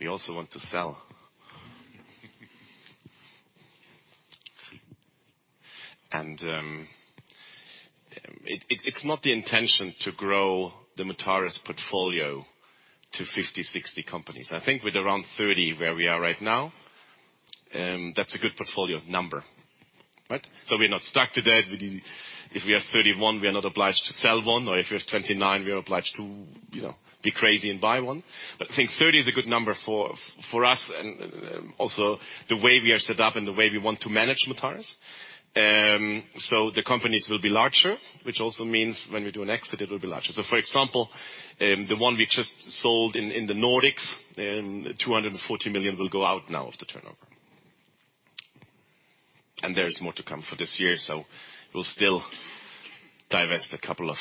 We also want to sell. It's not the intention to grow the Mutares portfolio to 50, 60 companies. I think with around 30 where we are right now, that's a good portfolio number, right? We're not stuck to that. If we are 31, we are not obliged to sell one, or if we're 29, we are obliged to, you know, be crazy and buy one. I think 30 is a good number for us and also the way we are set up and the way we want to manage Mutares. The companies will be larger, which also means when we do an exit, it will be larger. For example, the one we just sold in the Nordics, 240 million will go out now of the turnover. There's more to come for this year, so we'll still divest a couple of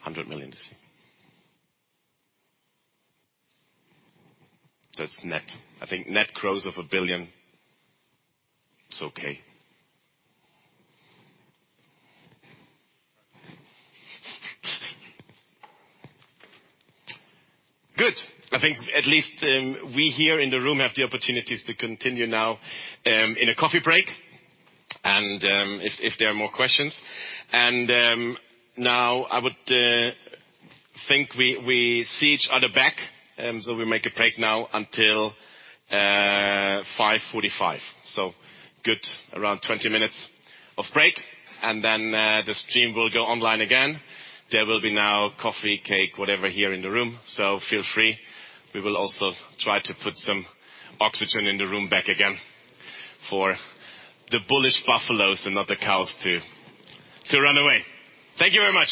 hundred million EUR this year. That's net. I think net growth of 1 billion. It's okay. Good. I think at least we here in the room have the opportunities to continue now in a coffee break and if there are more questions. Now I would think we see each other back, so we make a break now until 5:45 P.M. Good around 20 minutes of break, and then the stream will go online again. There will be now coffee, cake, whatever here in the room. Feel free. We will also try to put some oxygen in the room back again for the bullish buffaloes and not the cows to run away. Thank you very much.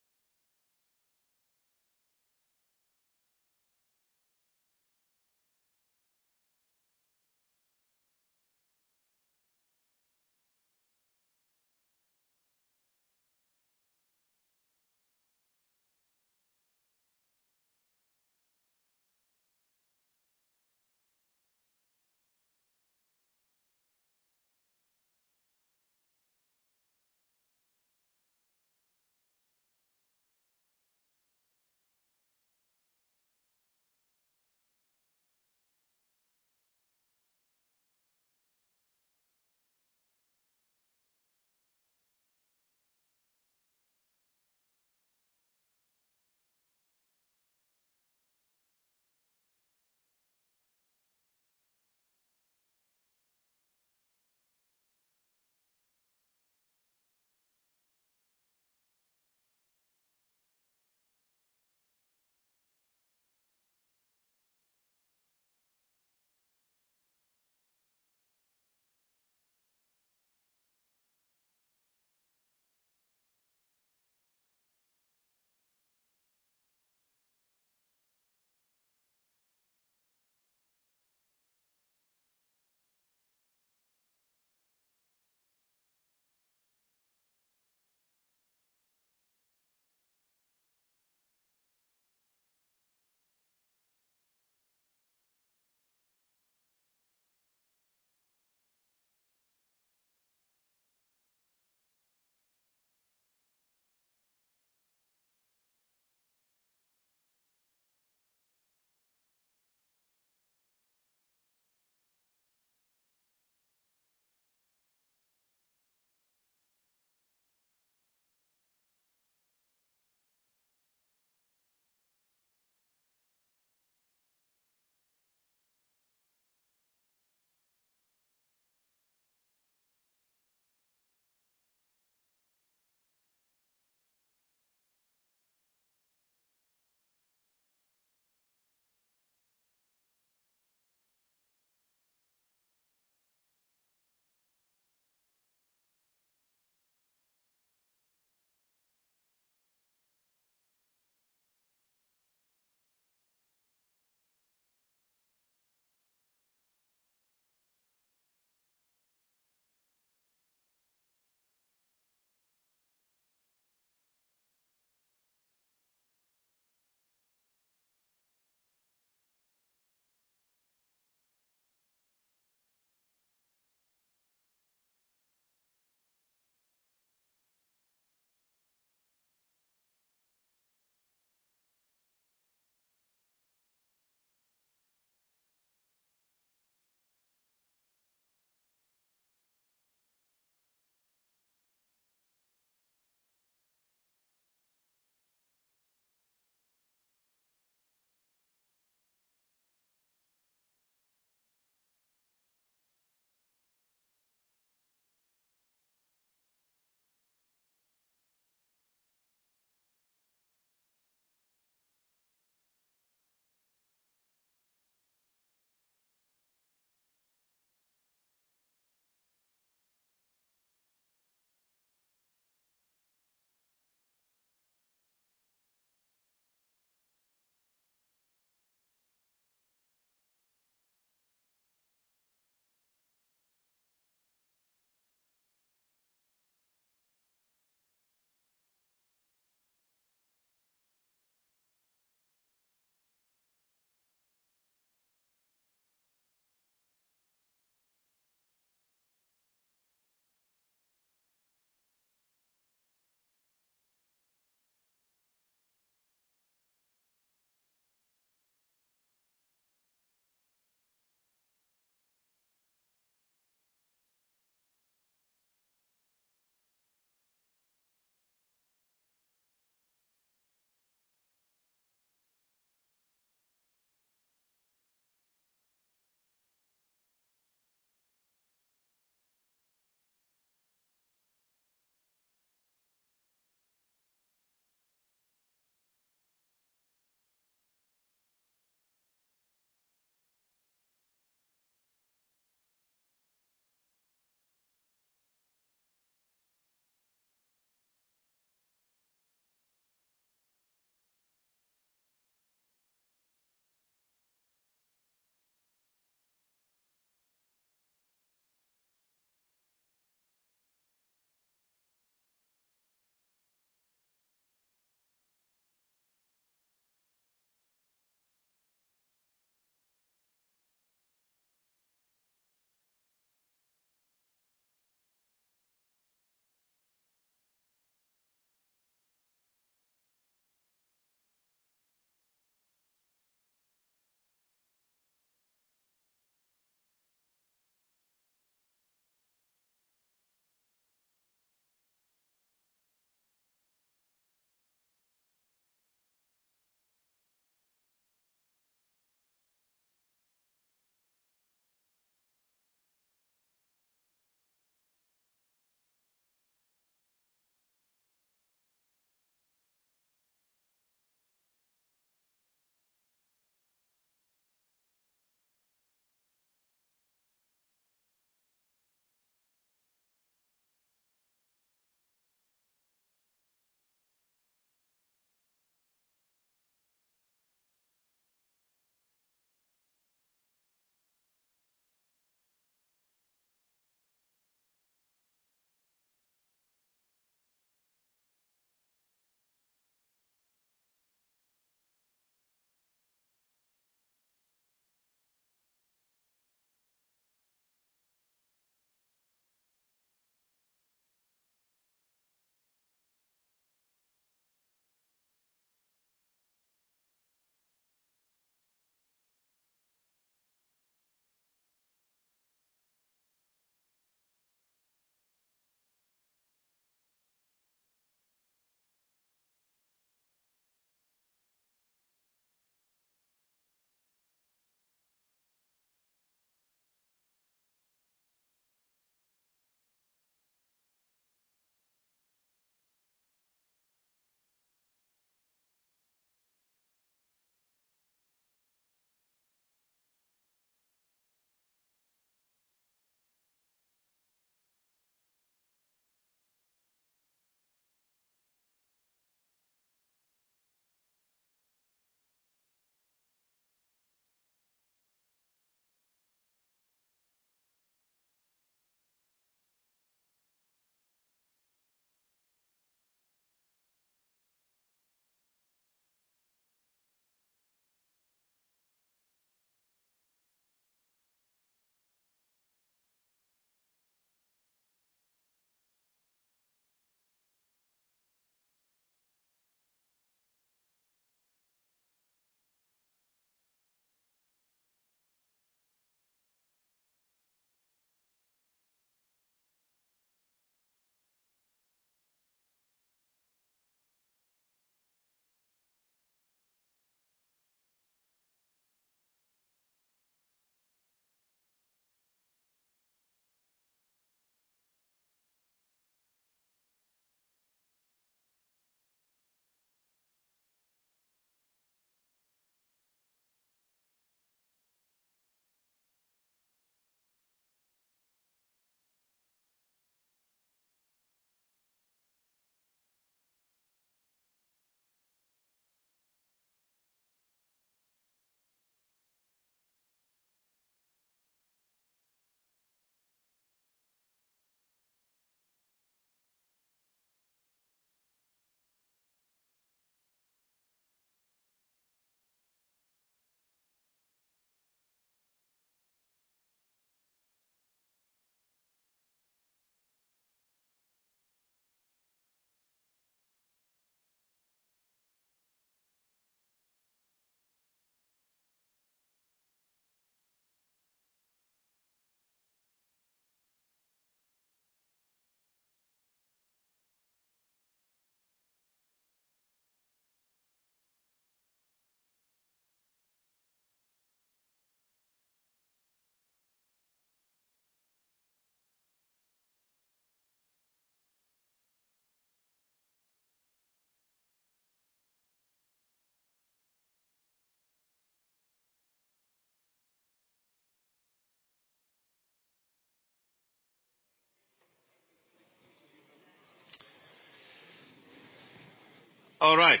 All right.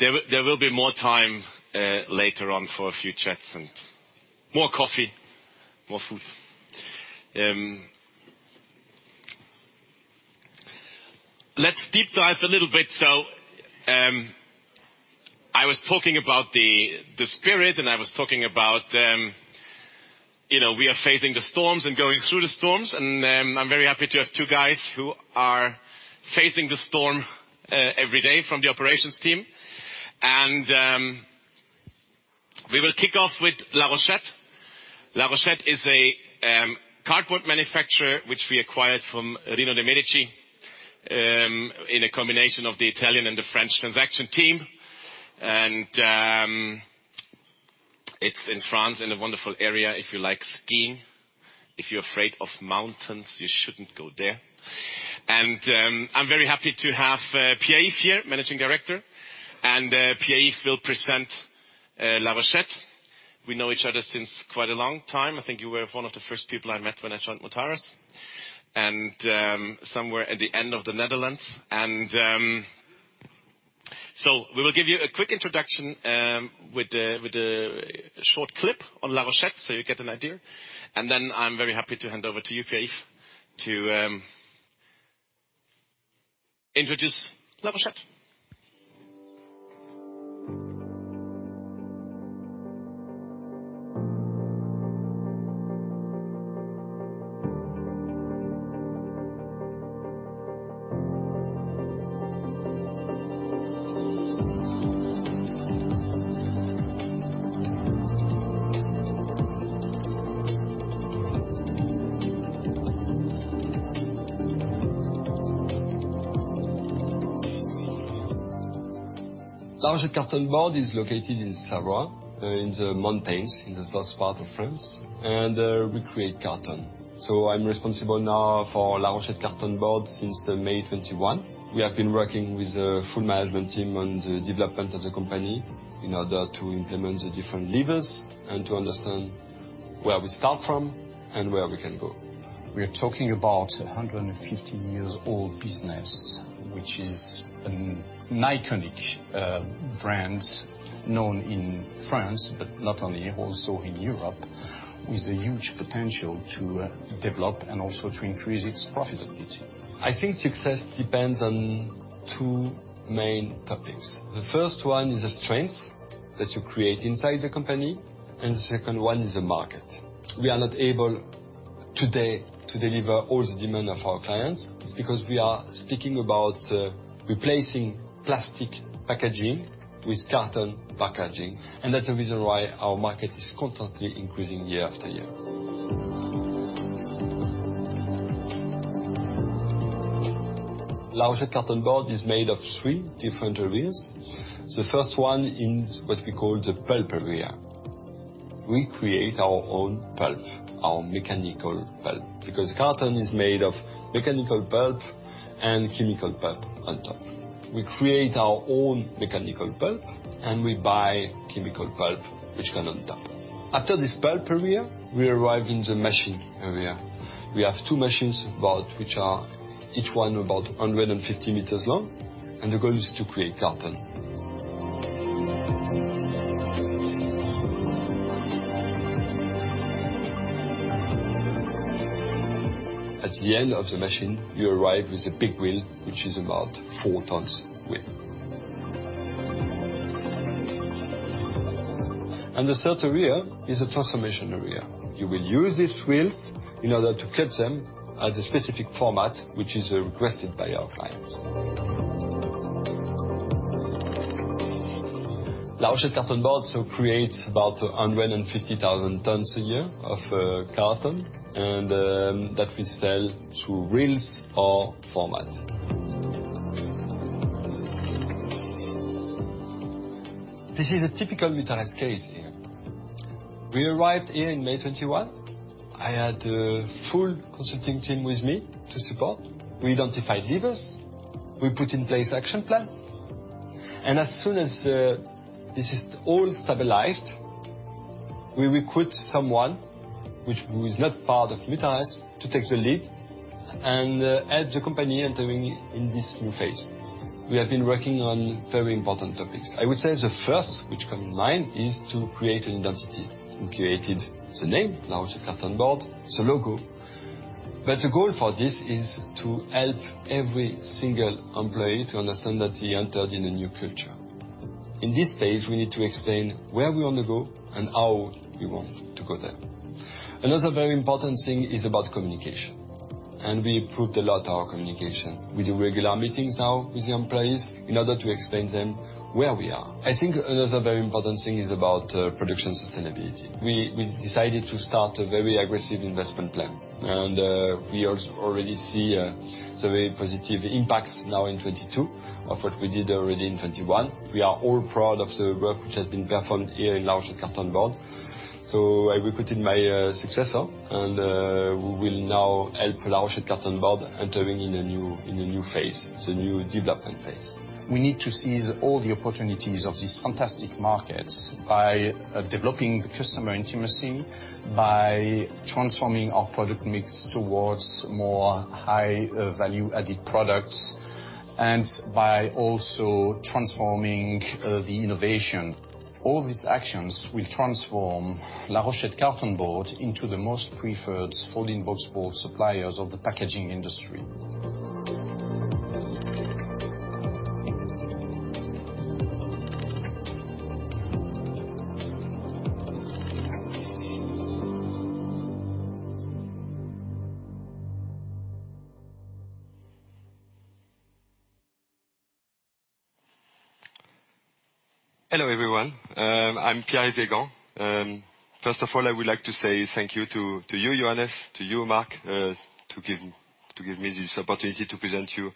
There will be more time later on for a few chats and more coffee, more food. Let's deep dive a little bit. I was talking about the spirit, and I was talking about you know, we are facing the storms and going through the storms, and I'm very happy to have two guys who are facing the storm every day from the operations team. We will kick off with La Rochette. La Rochette is a cardboard manufacturer which we acquired from Reno De Medici in a combination of the Italian and the French transaction team. It's in France, in a wonderful area, if you like skiing. If you're afraid of mountains, you shouldn't go there. I'm very happy to have Pierre-Yves here, Managing Director, and Pierre-Yves will present La Rochette. We know each other since quite a long time. I think you were one of the first people I met when I joined Mutares, and somewhere at the end of the Netherlands. We will give you a quick introduction with a short clip on La Rochette, so you get an idea. I'm very happy to hand over to you, Pierre-Yves, to introduce La Rochette. La Rochette Cartonboard is located in Savoie, in the mountains in the south part of France, and we create carton. I'm responsible now for La Rochette Cartonboard since May 2021. We have been working with the full management team on the development of the company in order to implement the different levers and to understand where we start from and where we can go. We are talking about a 150-year-old business, which is an iconic brand known in France, but not only, also in Europe, with a huge potential to develop and also to increase its profitability. I think success depends on two main topics. The first one is the strengths that you create inside the company, and the second one is the market. We are not able today to deliver all the demand of our clients. It's because we are speaking about replacing plastic packaging with carton packaging, and that's the reason why our market is constantly increasing year after year. La Rochette Cartonboard is made of three different areas. The first one in what we call the pulp area. We create our own pulp, our mechanical pulp, because carton is made of mechanical pulp and chemical pulp on top. We create our own mechanical pulp, and we buy chemical pulp which go on top. After this pulp area, we arrive in the machine area. We have two machines, about which are each one about 150 meters long, and the goal is to create carton. At the end of the machine, you arrive with a big wheel, which is about four tons wheel. The third area is a transformation area. You will use these wheels in order to cut them as a specific format which is requested by our clients. La Rochette Cartonboard creates about 150,000 tons a year of carton and that we sell through reels or format. This is a typical Mutares case here. We arrived here in May 2021. I had a full consulting team with me to support. We identified levers. We put in place action plan. As soon as this is all stabilized, we recruit someone which was not part of Mutares to take the lead and help the company entering in this new phase. We have been working on very important topics. I would say the first which come in mind is to create an identity. We created the name, La Rochette Cartonboard, the logo. The goal for this is to help every single employee to understand that he entered in a new culture. In this phase, we need to explain where we wanna go and how we want to go there. Another very important thing is about communication, and we improved a lot our communication. We do regular meetings now with the employees in order to explain them where we are. I think another very important thing is about production sustainability. We decided to start a very aggressive investment plan, and we already see the very positive impacts now in 2022 of what we did already in 2021. We are all proud of the work which has been performed here in La Rochette Cartonboard. I recruited my successor, and we will now help La Rochette Cartonboard entering in a new phase, the new development phase. We need to seize all the opportunities of these fantastic markets by developing customer intimacy, by transforming our product mix towards more high value-added products, and by also transforming the innovation. All these actions will transform La Rochette Cartonboard into the most preferred folding boxboard suppliers of the packaging industry. Hello, everyone. I'm Pierre-Yves Guégan. First of all, I would like to say thank you to you, Johannes Laumann, to you, Mark Friedrich, to give me this opportunity to present you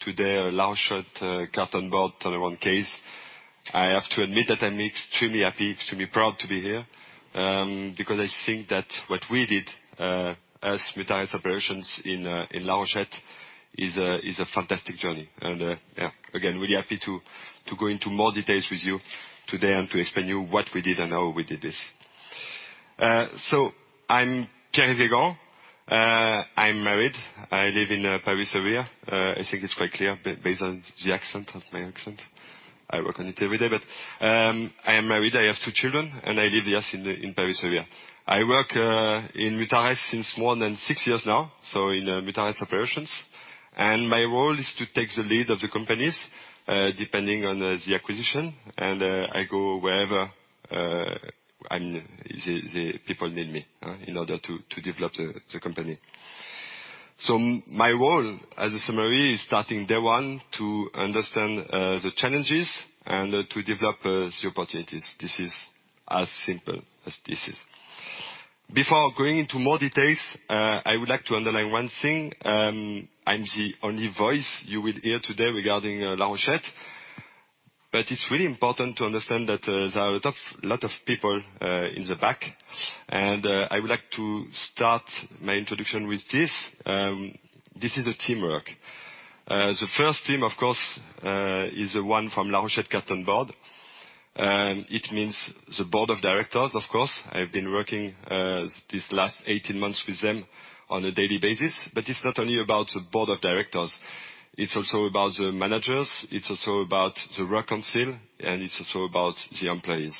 today La Rochette Cartonboard turnaround case. I have to admit that I'm extremely happy, extremely proud to be here, because I think that what we did, as Mutares operations in La Rochette is a fantastic journey. Yeah, again, really happy to go into more details with you today and to explain you what we did and how we did this. I'm Pierre-Yves Guégan. I'm married. I live in, Paris area. I think it's quite clear based on the accent, of my accent. I work on it every day. I am married, I have two children, and I live, yes, in Paris area. I work, in Mutares since more than six years now, so in Mutares operations. My role is to take the lead of the companies, depending on the acquisition, and I go wherever the people need me in order to develop the company. My role as a summary is starting day one to understand the challenges and to develop the opportunities. This is as simple as this is. Before going into more details, I would like to underline one thing. I'm the only voice you will hear today regarding La Rochette, but it's really important to understand that there are a lot of people in the back, and I would like to start my introduction with this. This is a teamwork. The first team, of course, is the one from La Rochette Cartonboard. It means the board of directors, of course. I've been working these last 18 months with them on a daily basis. It's not only about the board of directors, it's also about the managers, it's also about the workforce, and it's also about the employees.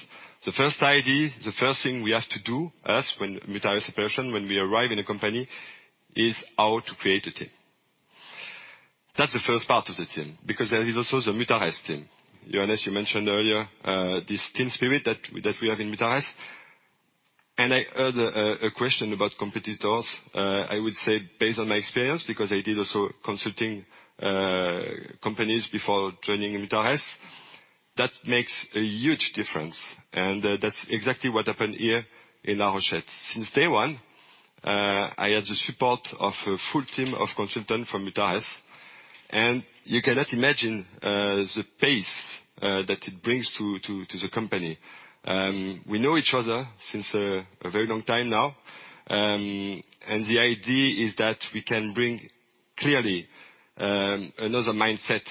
The first idea, the first thing we have to do is, when Mutares operates, when we arrive in a company, how to create a team. That's the first part of the team, because there is also the Mutares team. Johannes, you mentioned earlier this team spirit that we have in Mutares. I heard a question about competitors. I would say based on my experience, because I did also consulting companies before joining Mutares, that makes a huge difference, and that's exactly what happened here in La Rochette. Since day one, I had the support of a full team of consultants from Mutares, and you cannot imagine the pace that it brings to the company. We know each other since a very long time now, and the idea is that we can bring clearly another mindset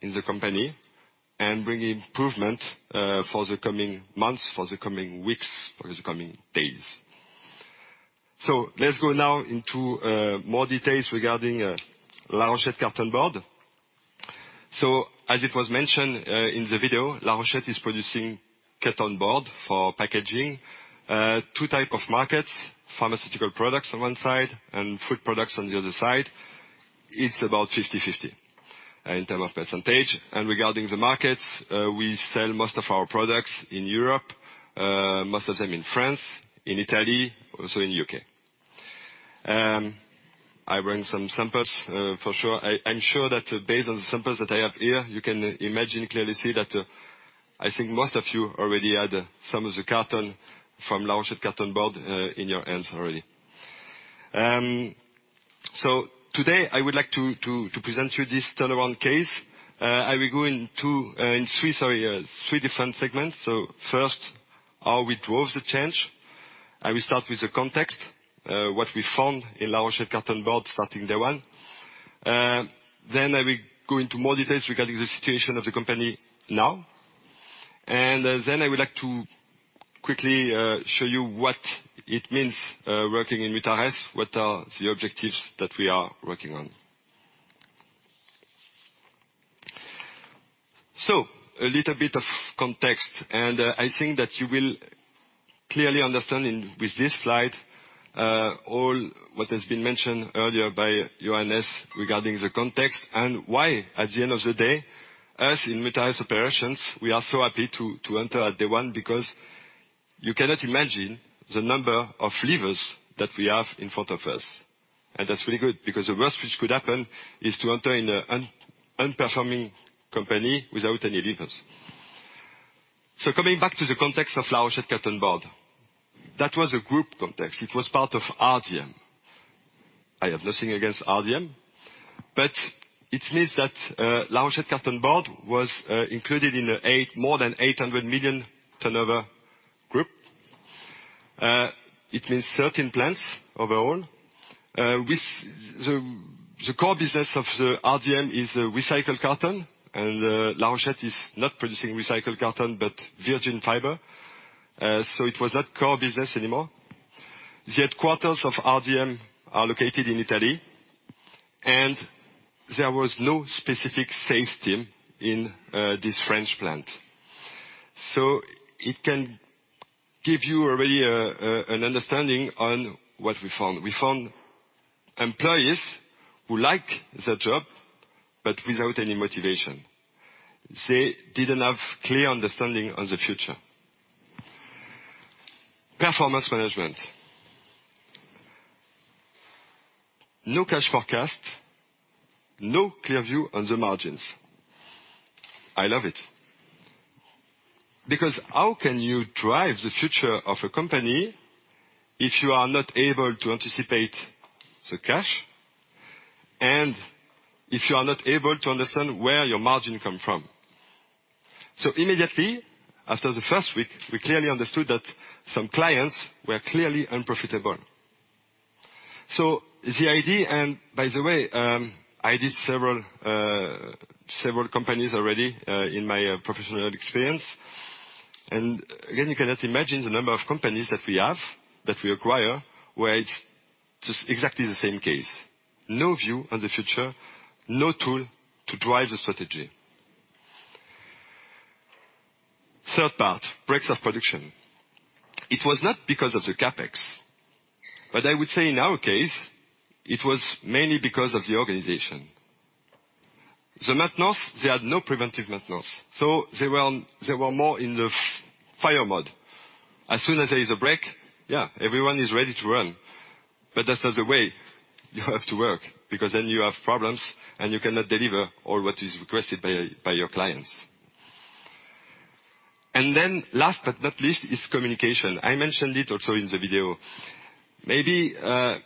in the company and bring improvement for the coming months, for the coming weeks, for the coming days. Let's go now into more details regarding La Rochette Cartonboard. As it was mentioned in the video, La Rochette is producing cartonboard for packaging. Two types of markets, pharmaceutical products on one side and food products on the other side. It's about 50-50 in terms of percentage. Regarding the markets, we sell most of our products in Europe, most of them in France, in Italy, also in U.K. I bring some samples. For sure, I'm sure that based on the samples that I have here, you can imagine, clearly see that, I think most of you already had some of the carton from La Rochette Cartonboard, in your hands already. Today I would like to present you this turnaround case. I will go in three different segments. First, how we drove the change. I will start with the context, what we found in La Rochette Cartonboard starting day one. Then I will go into more details regarding the situation of the company now. I would like to quickly show you what it means working in Mutares, what are the objectives that we are working on. A little bit of context, and I think that you will clearly understand with this slide all what has been mentioned earlier by Johannes regarding the context and why at the end of the day, us in Mutares operations, we are so happy to enter at day one because you cannot imagine the number of levers that we have in front of us. That's really good because the worst which could happen is to enter in a underperforming company without any levers. Coming back to the context of La Rochette Cartonboard, that was a group context. It was part of RDM. I have nothing against RDM, but it means that La Rochette Cartonboard was included in a more than 800 million turnover group. It means 13 plants overall. The core business of the RDM is recycled carton, and La Rochette is not producing recycled carton but virgin fiber. It was not core business anymore. The headquarters of RDM are located in Italy, and there was no specific sales team in this French plant. It can give you already an understanding on what we found. We found employees who like their job but without any motivation. They didn't have clear understanding on the future. Performance management. No cash forecast, no clear view on the margins. I love it. Because how can you drive the future of a company if you are not able to anticipate the cash? If you are not able to understand where your margin come from. Immediately after the first week, we clearly understood that some clients were clearly unprofitable. The idea and by the way, I did several companies already in my professional experience, and again, you cannot imagine the number of companies that we have, that we acquire, where it's just exactly the same case. No view on the future, no tool to drive the strategy. Third part, breaks of production. It was not because of the CapEx, but I would say in our case, it was mainly because of the organization. The maintenance, they had no preventive maintenance, so they were more in the fire mode. As soon as there is a break, yeah, everyone is ready to run. That's not the way you have to work, because then you have problems, and you cannot deliver all what is requested by your clients. Last but not least, is communication. I mentioned it also in the video. Maybe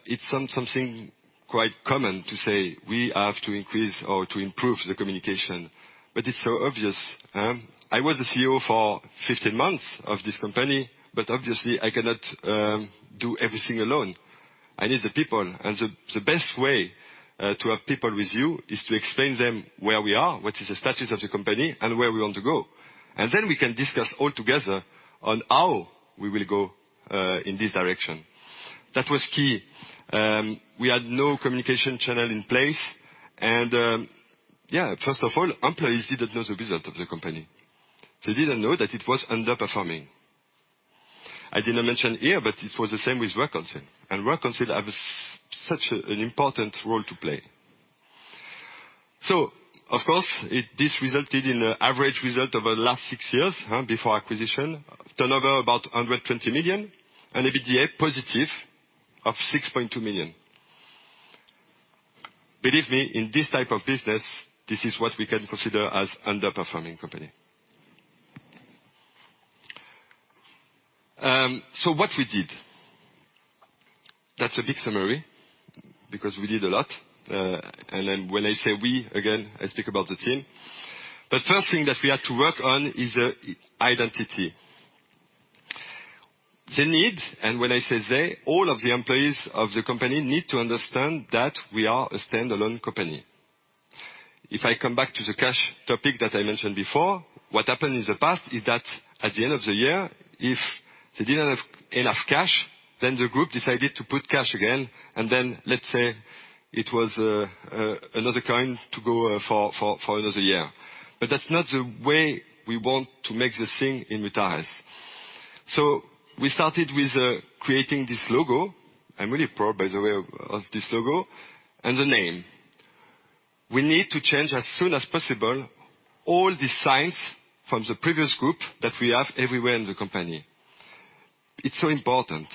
it's something quite common to say, we have to increase or to improve the communication, but it's so obvious. I was the CEO for 15 months of this company, but obviously I cannot do everything alone. I need the people. The best way to have people with you is to explain them where we are, what is the status of the company, and where we want to go. We can discuss all together on how we will go in this direction. That was key. We had no communication channel in place, and, yeah, first of all, employees didn't know the result of the company. They didn't know that it was underperforming. I didn't mention here, but it was the same with works council. Works council have such an important role to play. Of course, this resulted in an average result over the last six years before acquisition, turnover about 120 million and EBITDA positive of 6.2 million. Believe me, in this type of business, this is what we can consider as underperforming company. What we did. That's a big summary because we did a lot, and then when I say we, again, I speak about the team. The first thing that we had to work on is identity. The need, and when I say they, all of the employees of the company need to understand that we are a standalone company. If I come back to the cash topic that I mentioned before, what happened in the past is that at the end of the year, if they didn't have enough cash, then the group decided to put cash again and then let's say it was another kind to go for another year. That's not the way we want to make this thing in Mutares. We started with creating this logo. I'm really proud, by the way, of this logo and the name. We need to change as soon as possible all the signs from the previous group that we have everywhere in the company. It's so important.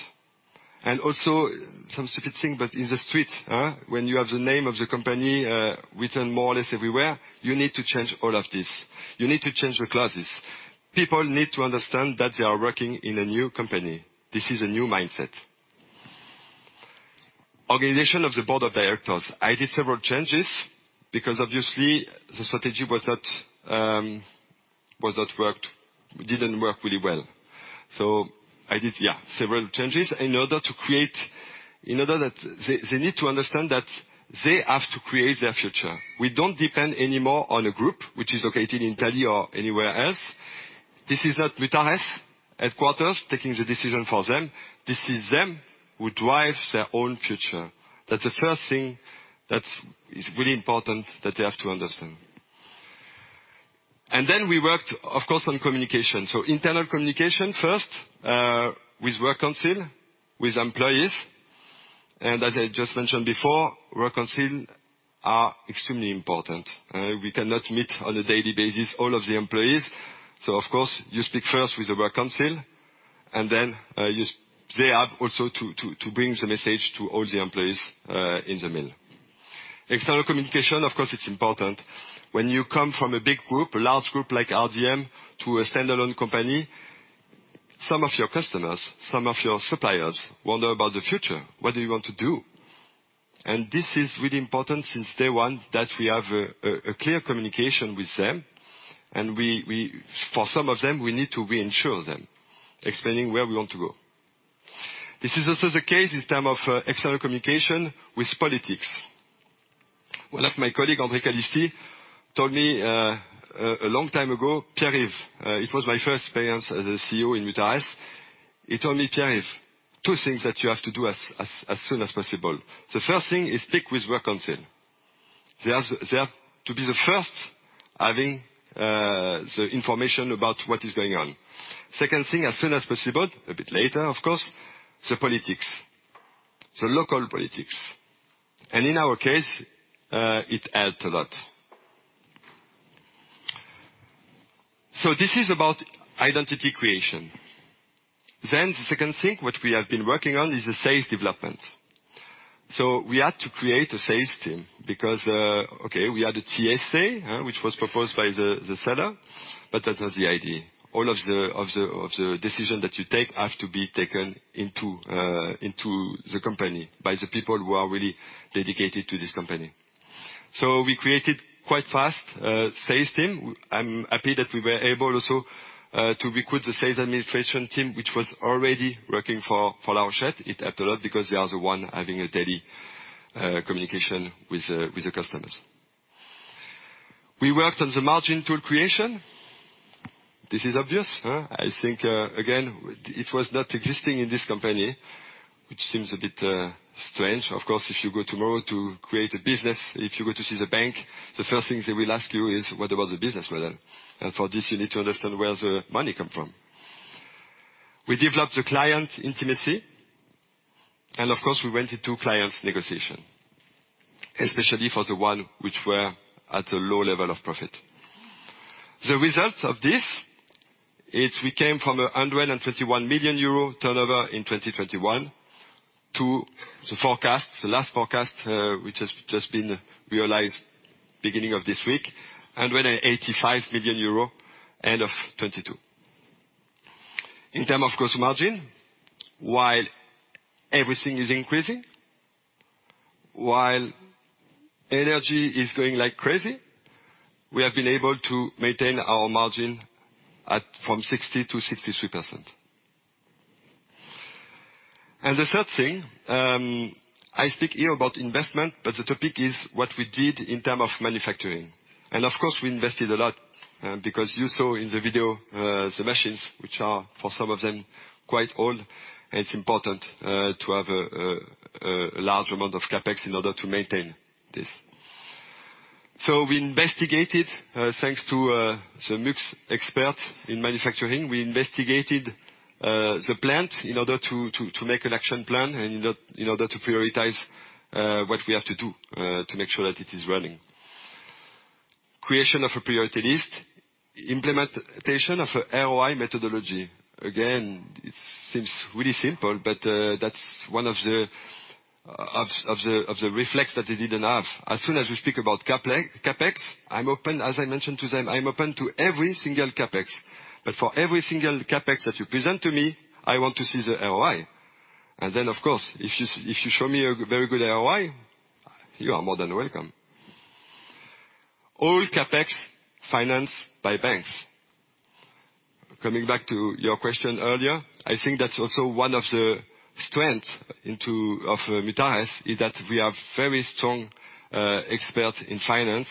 Also some specific thing, but in the street, when you have the name of the company, written more or less everywhere, you need to change all of this. You need to change the clothes. People need to understand that they are working in a new company. This is a new mindset. Organization of the board of directors. I did several changes because obviously the strategy was not worked, didn't work really well. I did, yeah, several changes in order that they need to understand that they have to create their future. We don't depend anymore on a group which is located in Italy or anywhere else. This is not Mutares headquarters taking the decision for them. This is them who drive their own future. That's the first thing that's really important that they have to understand. We worked, of course, on communication. Internal communication first, with works council, with employees, and as I just mentioned before, works council are extremely important. We cannot meet on a daily basis all of the employees. Of course, you speak first with the works council, and then they have also to bring the message to all the employees in the mill. External communication, of course, it's important when you come from a big group, a large group like RDM to a standalone company. Some of your customers, some of your suppliers wonder about the future, what do you want to do. This is really important since day one that we have a clear communication with them, and we, for some of them, we need to reassure them, explaining where we want to go. This is also the case in terms of external communication with politicians. One of my colleagues, André Calisi, told me a long time ago, "Pierre-Yves," it was my first experience as a CEO in Mutares. He told me, "Pierre-Yves, two things that you have to do as soon as possible. The first thing is speak with works council. They are to be the first having the information about what is going on. Second thing, as soon as possible," a bit later of course, "the politicians, the local politicians." In our case, it helped a lot. This is about identity creation. The second thing which we have been working on is the sales development. We had to create a sales team because we had a TSA, which was proposed by the seller, but that was the idea. All of the decision that you take have to be taken into the company by the people who are really dedicated to this company. We created quite fast sales team. I'm happy that we were able also to recruit the sales administration team, which was already working for La Rochette. It helped a lot because they are the one having a daily communication with the customers. We worked on the margin tool creation. This is obvious. I think again, it was not existing in this company, which seems a bit strange. Of course, if you go tomorrow to create a business, if you go to see the bank, the first thing they will ask you is, "What about the business model?" And for this, you need to understand where the money come from. We developed the client intimacy, and of course, we went into clients' negotiation, especially for the one which were at a low level of profit. The results of this, we came from 121 million euro turnover in 2021 to the forecast. The last forecast, which has just been realized beginning of this week, 185 million euro end of 2022. In term of gross margin, while everything is increasing, while energy is going like crazy, we have been able to maintain our margin at, from 60%-63%. The third thing, I speak here about investment, but the topic is what we did in terms of manufacturing. Of course, we invested a lot, because you saw in the video, the machines which are, for some of them, quite old. It's important to have a large amount of CapEx in order to maintain this. We investigated, thanks to the Mutares expert in manufacturing. We investigated the plant in order to make an action plan and in order to prioritize what we have to do to make sure that it is running. Creation of a priority list, implementation of ROI methodology. Again, it seems really simple, but that's one of the reflexes that they didn't have. As soon as you speak about CapEx, I'm open. As I mentioned to them, I'm open to every single CapEx. For every single CapEx that you present to me, I want to see the ROI. Then, of course, if you show me a very good ROI, you are more than welcome. All CapEx financed by banks. Coming back to your question earlier, I think that's also one of the strengths of Mutares, is that we have very strong expertise in finance.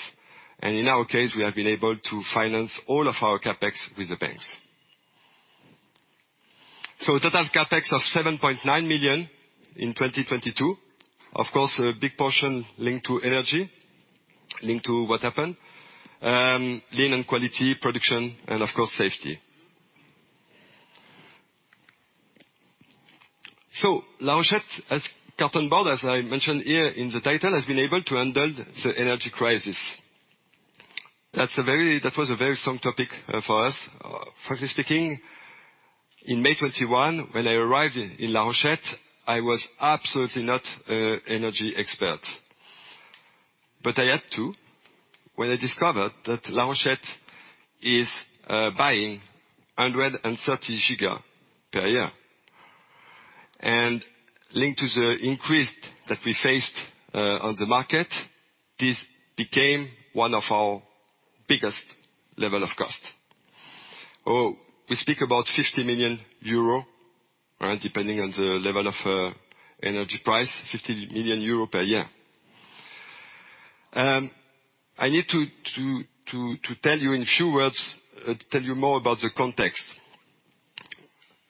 In our case, we have been able to finance all of our CapEx with the banks. Total CapEx of 7.9 million in 2022. Of course, a big portion linked to energy, linked to what happened. Lean on quality, production, and of course, safety. La Rochette Cartonboard, as I mentioned here in the title, has been able to handle the energy crisis. That was a very strong topic for us. Frankly speaking, in May 2021, when I arrived in La Rochette, I was absolutely not an energy expert. But I had to when I discovered that La Rochette is buying 130 giga per year. Linked to the increase that we faced on the market, this became one of our biggest level of cost. Oh, we speak about 50 million euro, right? Depending on the level of energy price, 50 million euro per year. I need to tell you in a few words, tell you more about the context.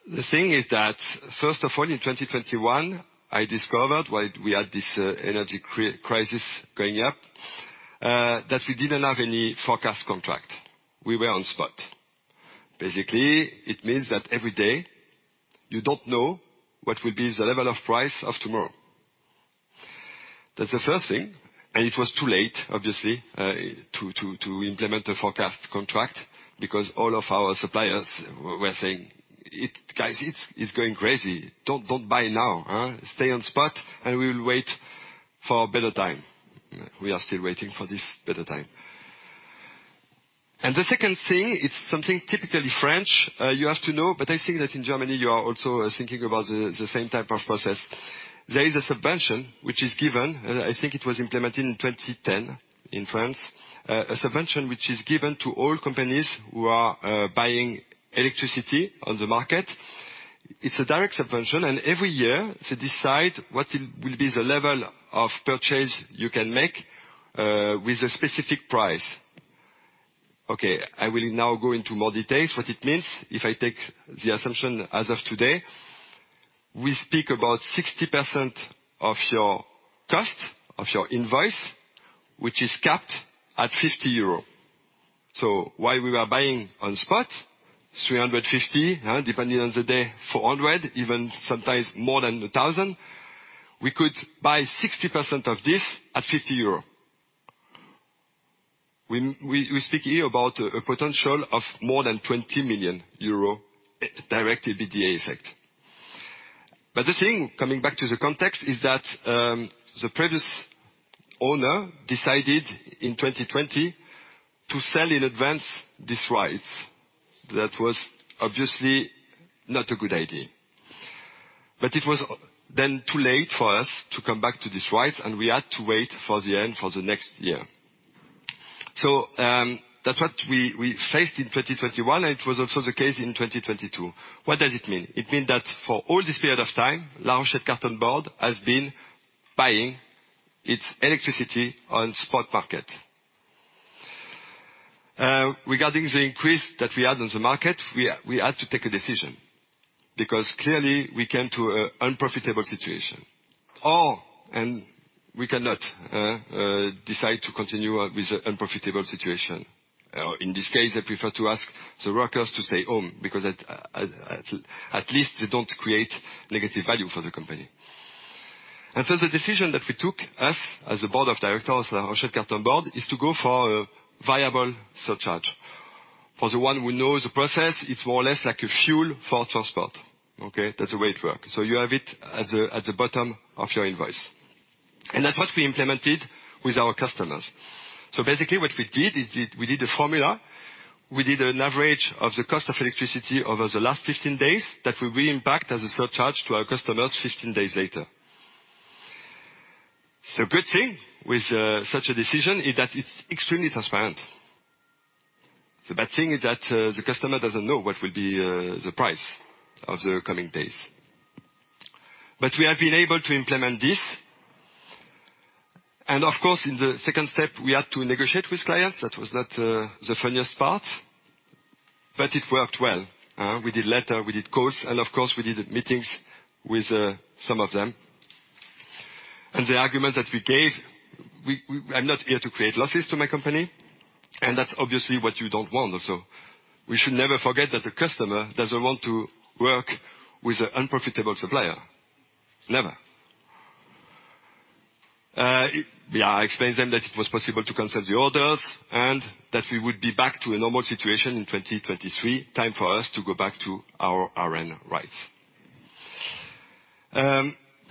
The thing is that, first of all, in 2021, I discovered while we had this energy crisis going up that we didn't have any forward contract. We were on spot. Basically, it means that every day you don't know what will be the level of price of tomorrow. That's the first thing. It was too late, obviously, to implement a forecast contract because all of our suppliers were saying, "Guys, it's going crazy. Don't buy now, huh? Stay on spot, and we will wait for a better time." We are still waiting for this better time. The second thing, it's something typically French, you have to know, but I think that in Germany you are also thinking about the same type of process. There is a subvention which is given. I think it was implemented in 2010 in France. A subvention which is given to all companies who are buying electricity on the market. It's a direct subvention, and every year they decide what will be the level of purchase you can make with a specific price. I will now go into more details what it means. If I take the assumption as of today, we speak about 60% of your cost, of your invoice, which is capped at 50 euro. So while we were buying on spot, 350, depending on the day, 400, even sometimes more than 1,000, we could buy 60% of this at 50 euro. We speak here about a potential of more than 20 million euro direct EBITDA effect. The thing, coming back to the context, is that the previous owner decided in 2020 to sell in advance this rights. That was obviously not a good idea. It was then too late for us to come back to these rights, and we had to wait for the end for the next year. That's what we faced in 2021, and it was also the case in 2022. What does it mean? It means that for all this period of time, La Rochette Cartonboard has been buying its electricity on spot market. Regarding the increase that we had on the market, we had to take a decision because clearly we came to an unprofitable situation. And we cannot decide to continue with an unprofitable situation. In this case, I prefer to ask the workers to stay home because at least they don't create negative value for the company. The decision that we took, us, as a board of directors, La Rochette Cartonboard, is to go for a viable surcharge. For the one who knows the process, it's more or less like a fuel for transport, okay? That's the way it works. You have it at the bottom of your invoice. That's what we implemented with our customers. Basically what we did is we did a formula. We did an average of the cost of electricity over the last 15 days that we re-impact as a surcharge to our customers 15 days later. It's a good thing with such a decision is that it's extremely transparent. The bad thing is that the customer doesn't know what will be the price of the coming days. We have been able to implement this. Of course, in the second step, we had to negotiate with clients. That was not the funniest part, but it worked well. We did letters, we did calls, and of course, we did meetings with some of them. The argument that we gave, I'm not here to create losses to my company, and that's obviously what you don't want also. We should never forget that the customer doesn't want to work with an unprofitable supplier. Never. I explained to them that it was possible to cancel the orders and that we would be back to a normal situation in 2023. Time for us to go back to our ARENH rights.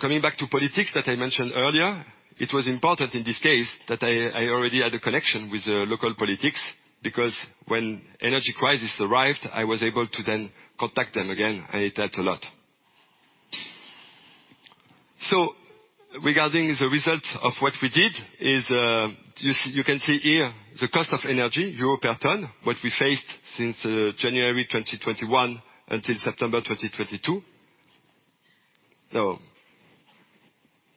Coming back to politics that I mentioned earlier, it was important in this case that I already had a connection with the local politics because when energy crisis arrived, I was able to then contact them again, and it helped a lot. Regarding the results of what we did is, you can see here the cost of energy, EUR per ton, what we faced since January 2021 until September 2022.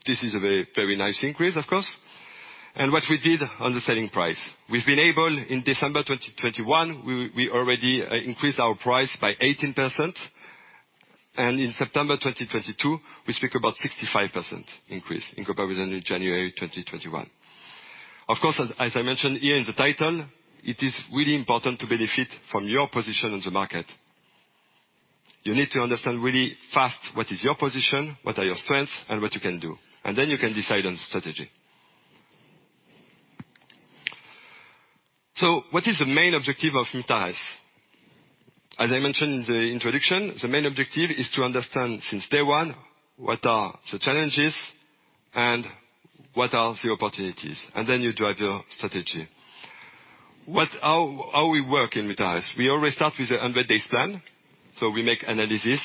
This is a very nice increase, of course. What we did on the selling price. We've been able, in December 2021, we already increased our price by 18%. In September 2022, we speak about 65% increase in comparison to January 2021. Of course, as I mentioned here in the title, it is really important to benefit from your position in the market. You need to understand really fast what is your position, what are your strengths, and what you can do, and then you can decide on strategy. What is the main objective of Mutares? As I mentioned in the introduction, the main objective is to understand, since day one, what are the challenges and what are the opportunities, and then you drive your strategy. How we work in Mutares? We always start with a 100-day plan. We make analysis,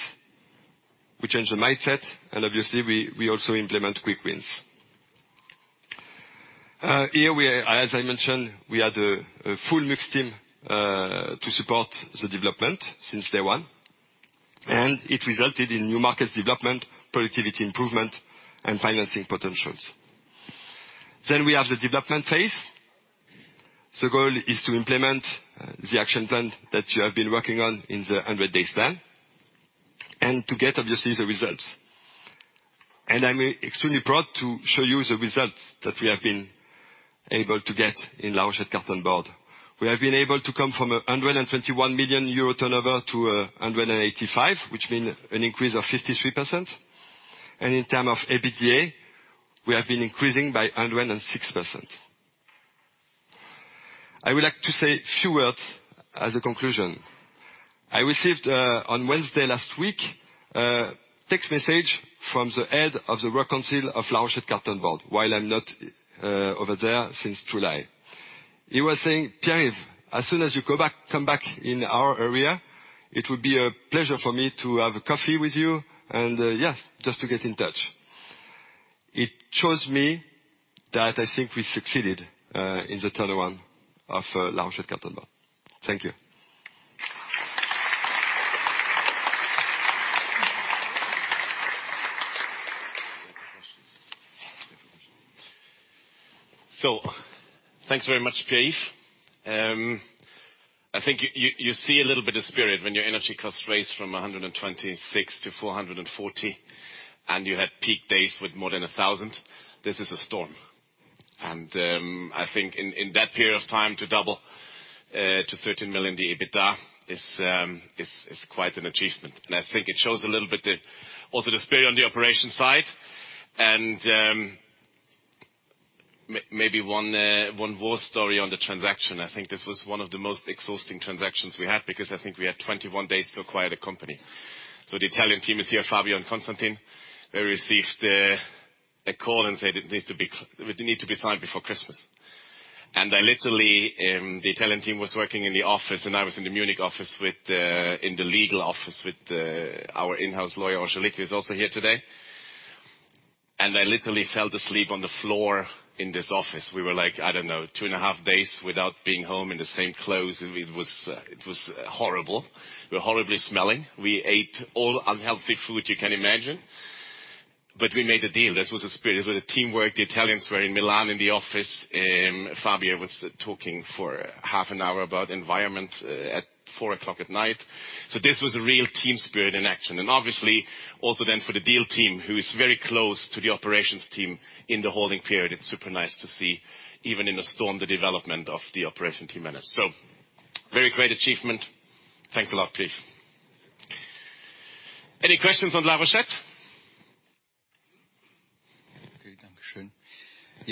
we change the mindset, and obviously, we also implement quick wins. As I mentioned, we had a full mixed team to support the development since day one, and it resulted in new market development, productivity improvement, and financing potentials. We have the development phase. The goal is to implement the action plan that you have been working on in the 100-days plan and to get, obviously, the results. I'm extremely proud to show you the results that we have been able to get in La Rochette Cartonboard. We have been able to come from 121 million euro turnover to 185 million, which mean an increase of 53%. In terms of EBITDA, we have been increasing by 106%. I would like to say a few words as a conclusion. I received on Wednesday last week a text message from the head of the work council of La Rochette Cartonboard while I'm not over there since July. He was saying, "Pierre-Yves, as soon as you come back in our area, it would be a pleasure for me to have a coffee with you and, yes, just to get in touch." It shows me that I think we succeeded in the turn around of La Rochette Cartonboard. Thank you. Thanks very much, Pierre-Yves. I think you see a little bit of spirit when your energy costs rose from 126 to 440 and you had peak days with more than 1,000. This is a storm. I think in that period of time to double to 13 million, the EBITDA is quite an achievement. I think it shows a little bit also the spirit on the operation side. I think maybe one war story on the transaction. I think this was one of the most exhausting transactions we had because I think we had 21 days to acquire the company. The Italian team is here, Fabio and Constantin. They received A call and said it needs to be signed before Christmas. I literally the Italian team was working in the office, and I was in the Munich office in the legal office with our in-house lawyer, Angelique, who's also here today. I literally fell asleep on the floor in this office. We were like, I don't know, two and a half days without being home in the same clothes. It was horrible. We were horribly smelling. We ate all unhealthy food you can imagine. We made a deal. This was a spirit. With the teamwork, the Italians were in Milan in the office. Fabio was talking for half an hour about environment at 4:00 A.M. This was a real team spirit in action. Obviously, also then for the deal team, who is very close to the operations team in the holding period, it's super nice to see, even in a storm, the development of the operations team managed. Very great achievement. Thanks a lot, please. Any questions on La Rochette?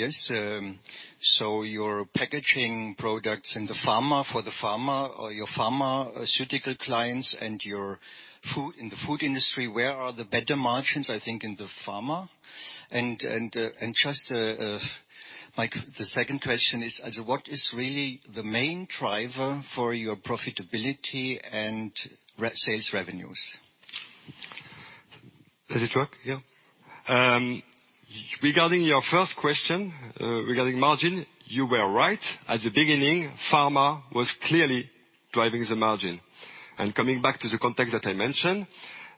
Okay, Danke schön. Yes, so your packaging products in the pharma, for the pharma or your pharmaceutical clients and your food, in the food industry, where are the better margins? I think in the pharma. Just, like the second question is what is really the main driver for your profitability and sales revenues? Does it work? Yeah. Regarding your first question, regarding margin, you were right. At the beginning, pharma was clearly driving the margin. Coming back to the context that I mentioned,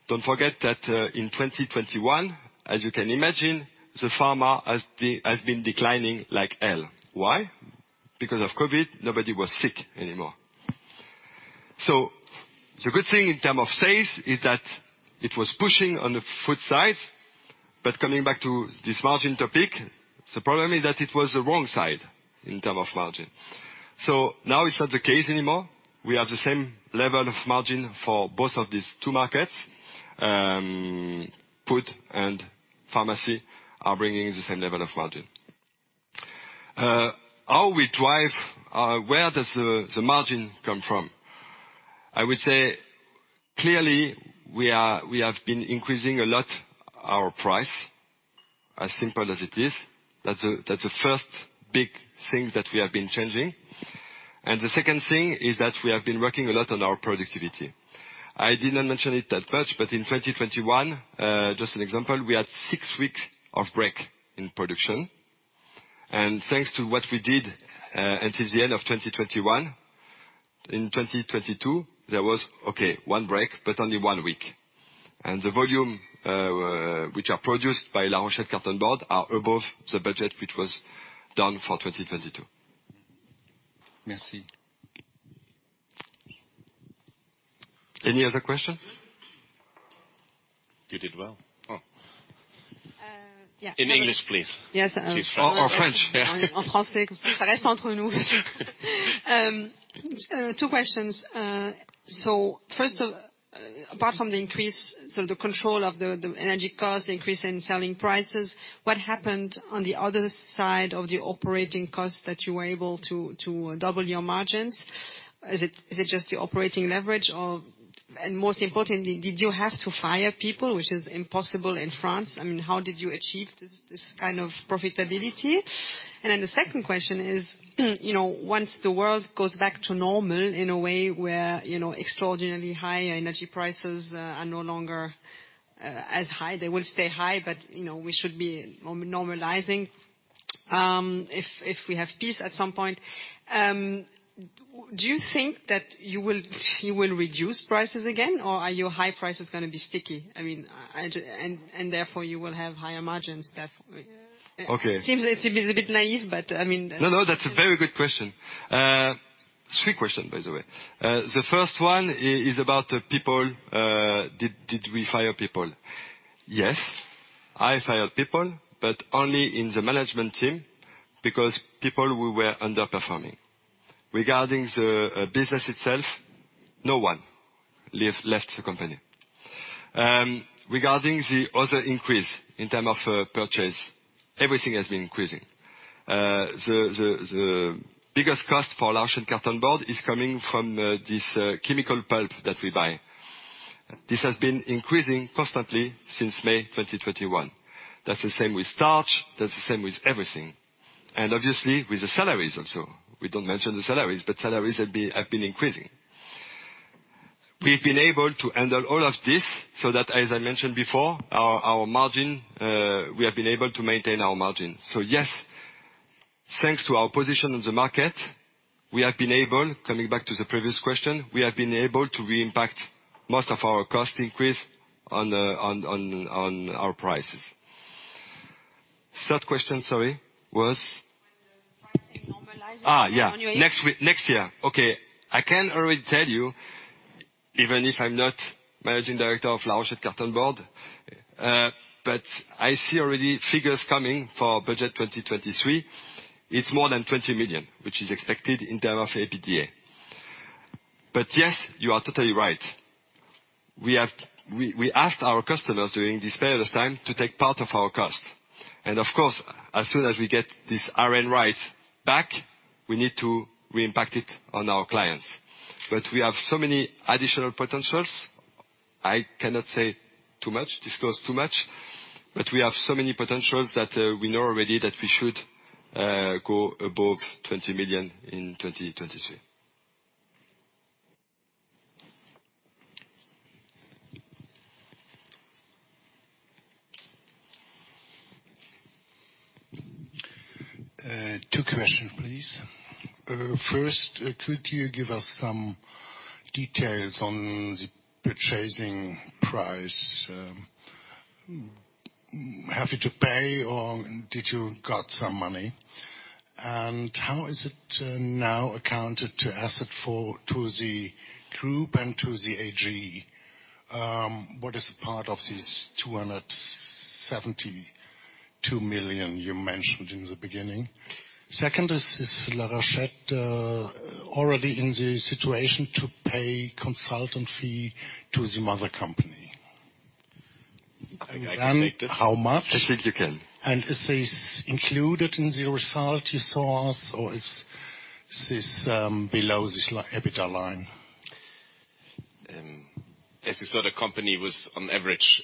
don't forget that in 2021, as you can imagine, the pharma has been declining like hell. Why? Because of COVID, nobody was sick anymore. The good thing in terms of sales is that it was pushing on the food side, but coming back to this margin topic, the problem is that it was the wrong side in terms of margin. Now it's not the case anymore. We have the same level of margin for both of these two markets. Food and pharmacy are bringing the same level of margin. How we drive, where does the margin come from? I would say, clearly, we have been increasing a lot our price, as simple as it is. That's a, that's the first big thing that we have been changing. The second thing is that we have been working a lot on our productivity. I did not mention it that much, but in 2021, just an example, we had six weeks of break in production. Thanks to what we did, until the end of 2021, in 2022, there was, okay, one break, but only one week. The volume, which are produced by La Rochette Cartonboard are above the budget, which was done for 2022. Merci. Any other question? You did well. Oh. Yeah. In English, please. Yes. She's French. French. Yeah. Two questions. First, apart from the increase, the control of the energy cost, increase in selling prices, what happened on the other side of the operating cost that you were able to double your margins? Is it just the operating leverage? Most importantly, did you have to fire people, which is impossible in France? I mean, how did you achieve this kind of profitability? The second question is, you know, once the world goes back to normal in a way where, you know, extraordinarily high energy prices are no longer as high, they will stay high, but, you know, we should be normalizing, if we have peace at some point, do you think that you will reduce prices again or are your high prices gonna be sticky? I mean, therefore you will have higher margins that way. Okay. Seems a bit naive, but I mean. No, no, that's a very good question. Three questions, by the way. The first one is about the people. Did we fire people? Yes, I fired people, but only in the management team because people were underperforming. Regarding the business itself, no one left the company. Regarding the other increase in terms of purchases, everything has been increasing. The biggest cost for La Rochette Cartonboard is coming from this chemical pulp that we buy. This has been increasing constantly since May 2021. That's the same with starch, that's the same with everything. Obviously, with the salaries also. We don't mention the salaries, but salaries have been increasing. We've been able to handle all of this so that, as I mentioned before, our margin, we have been able to maintain our margin. Yes, thanks to our position in the market, we have been able, coming back to the previous question, we have been able to re-impact most of our cost increase on our prices. Third question, sorry, was? When the pricing normalizes. Yeah. On your- Next year. Okay. I can already tell you, even if I'm not managing director of La Rochette Cartonboard, but I see already figures coming for budget 2023. It's more than 20 million, which is expected in terms of EBITDA. Yes, you are totally right. We asked our customers during this period of time to take part of our cost. Of course, as soon as we get these ARENH rights back, we need to re-impact it on our clients. We have so many additional potentials. I cannot say too much, disclose too much, but we have so many potentials that we know already that we should go above 20 million in 2023. Two questions, please. First, could you give us some details on the purchasing price? Have you to pay or did you got some money? And how is it now accounted to asset to the group and to the AG? What is the part of this 272 million you mentioned in the beginning? Second, is La Rochette already in the situation to pay consultant fee to the mother company? I can take this. How much? I think you can. Is this included in the result you saw or is this, below this, like, EBITDA line? As a sort of company was on average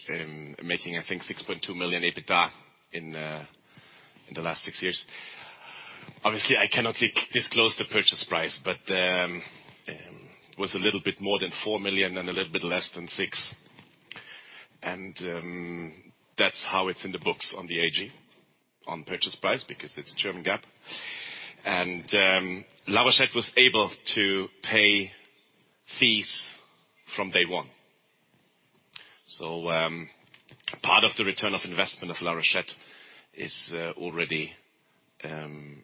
making I think 6.2 million EBITDA in the last six years. Obviously, I cannot disclose the purchase price, but it was a little bit more than 4 million and a little bit less than 6 million. That's how it's in the books on the AG on purchase price because it's German GAAP. La Rochette was able to pay fees from day one. Part of the return of investment of La Rochette is already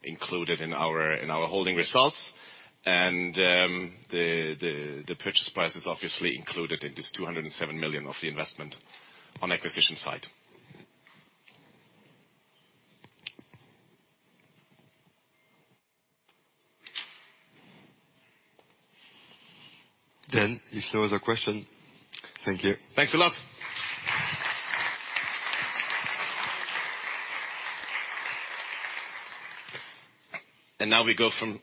included in our holding results. The purchase price is obviously included in this 207 million of the investment on acquisition side. If there was a question. Thank you. Thanks a lot. Now we go from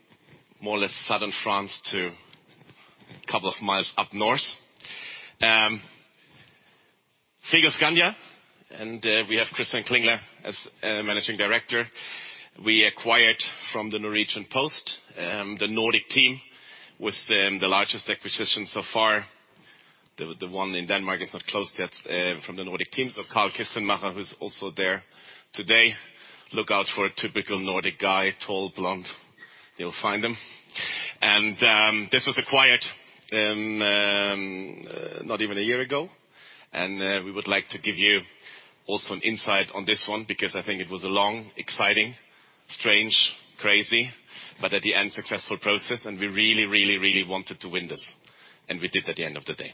more or less southern France to a couple of miles up north. Frigoscandia, we have Christian Klingler as Managing Director. We acquired from Posten Norge the Nordic team with the largest acquisition so far. The one in Denmark is not closed yet from the Nordic teams of Carl Kistenmacher, who is also there today. Look out for a typical Nordic guy, tall, blonde. You'll find him. This was acquired not even a year ago. We would like to give you also an insight on this one because I think it was a long, exciting, strange, crazy, but in the end, successful process. We really wanted to win this, and we did at the end of the day.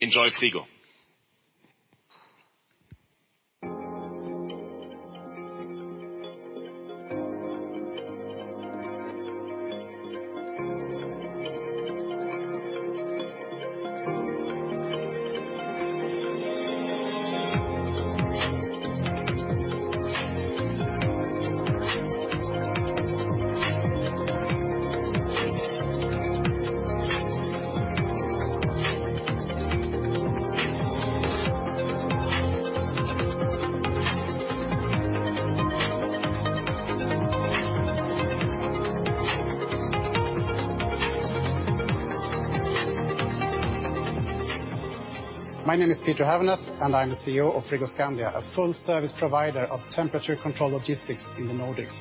Enjoy Frigo. My name is Peter Haveneth, and I'm the CEO of Frigoscandia, a full service provider of temperature control logistics in the Nordics.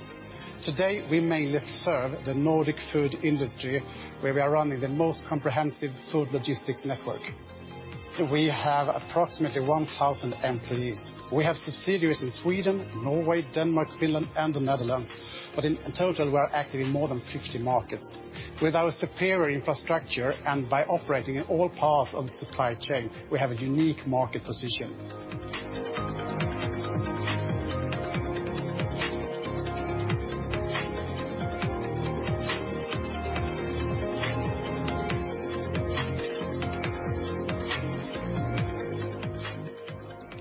Today, we mainly serve the Nordic food industry, where we are running the most comprehensive food logistics network. We have approximately 1,000 employees. We have subsidiaries in Sweden, Norway, Denmark, Finland, and the Netherlands. In total, we are active in more than 50 markets. With our superior infrastructure and by operating in all parts of the supply chain, we have a unique market position.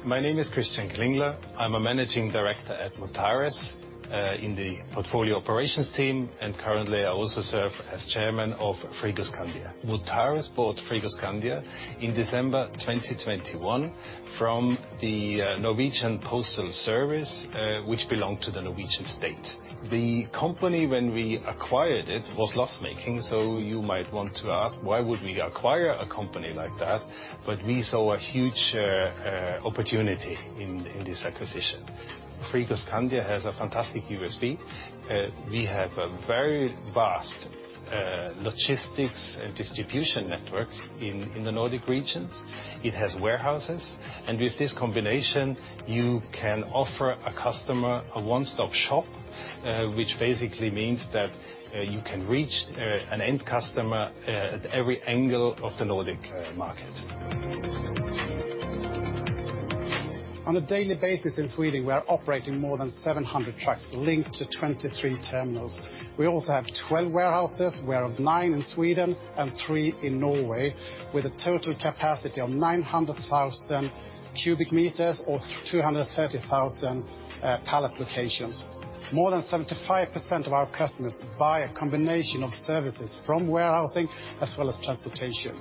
My name is Christian Klingler. I'm a Managing Director at Mutares in the portfolio operations team, and currently I also serve as chairman of Frigoscandia. Mutares bought Frigoscandia in December 2021 from the Norwegian Postal Service, which belonged to the Norwegian state. The company when we acquired it was loss-making, so you might want to ask, why would we acquire a company like that? We saw a huge opportunity in this acquisition. Frigoscandia has a fantastic USP. We have a very vast logistics and distribution network in the Nordic regions. It has warehouses. With this combination, you can offer a customer a one-stop shop, which basically means that you can reach an end customer at every angle of the Nordic market. On a daily basis in Sweden, we are operating more than 700 trucks linked to 23 terminals. We also have 12 warehouses, we have nine in Sweden and three in Norway, with a total capacity of 900,000 cubic meters or 230,000 pallet locations. More than 75% of our customers buy a combination of services from warehousing as well as transportation.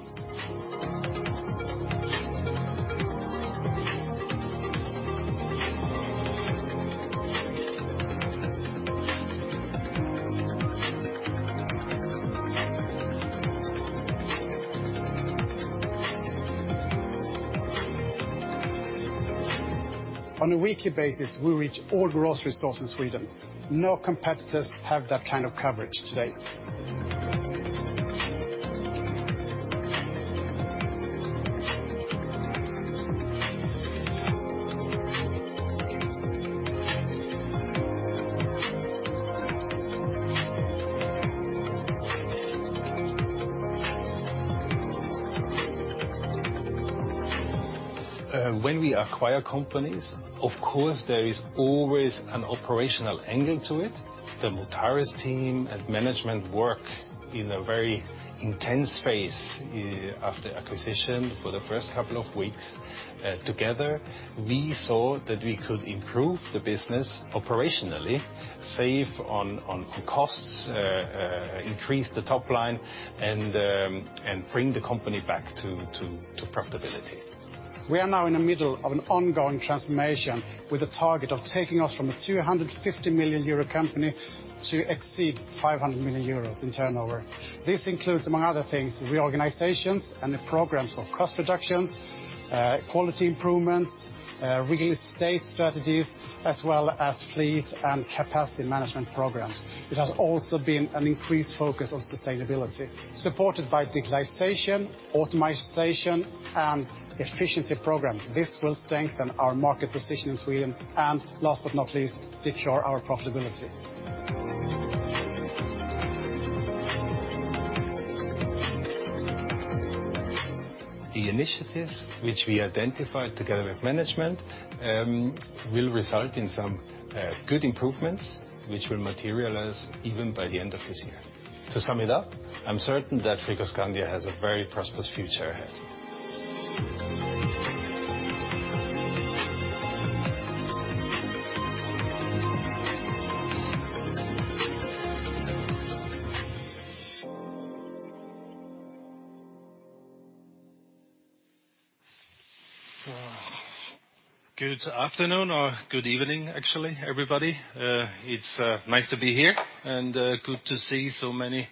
Good afternoon or good evening, actually, everybody. It's nice to be here, and good to see so many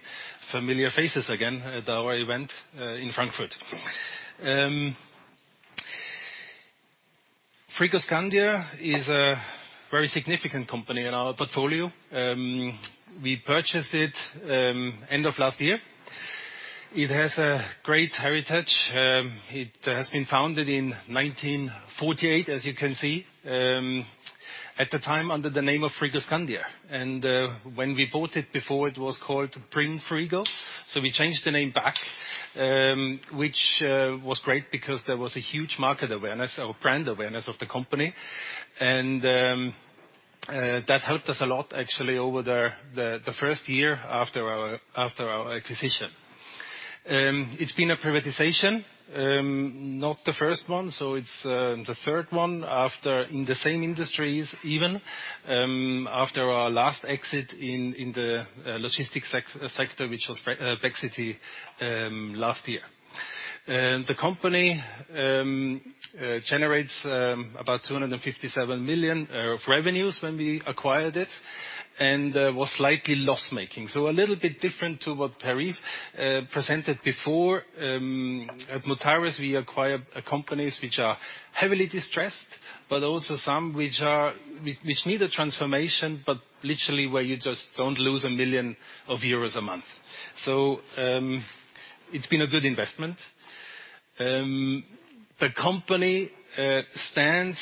familiar faces again at our event in Frankfurt. Frigoscandia is a very significant company in our portfolio. We purchased it end of last year. It has a great heritage. It has been founded in 1948, as you can see, at the time, under the name of Frigoscandia. When we bought it before, it was called Bring Frigo. We changed the name back, which was great because there was a huge market awareness or brand awareness of the company. That helped us a lot actually over the first year after our acquisition. It's been a privatization. Not the first one, it's the third one after in the same industries even, after our last exit in the logistics sector, which was Nexive last year. The company generates about 257 million of revenues when we acquired it and was slightly loss-making. A little bit different to what Pierre-Yves presented before. At Mutares, we acquire companies which are heavily distressed, but also some which need a transformation, but literally where you just don't lose 1 million euros a month. It's been a good investment. The company stands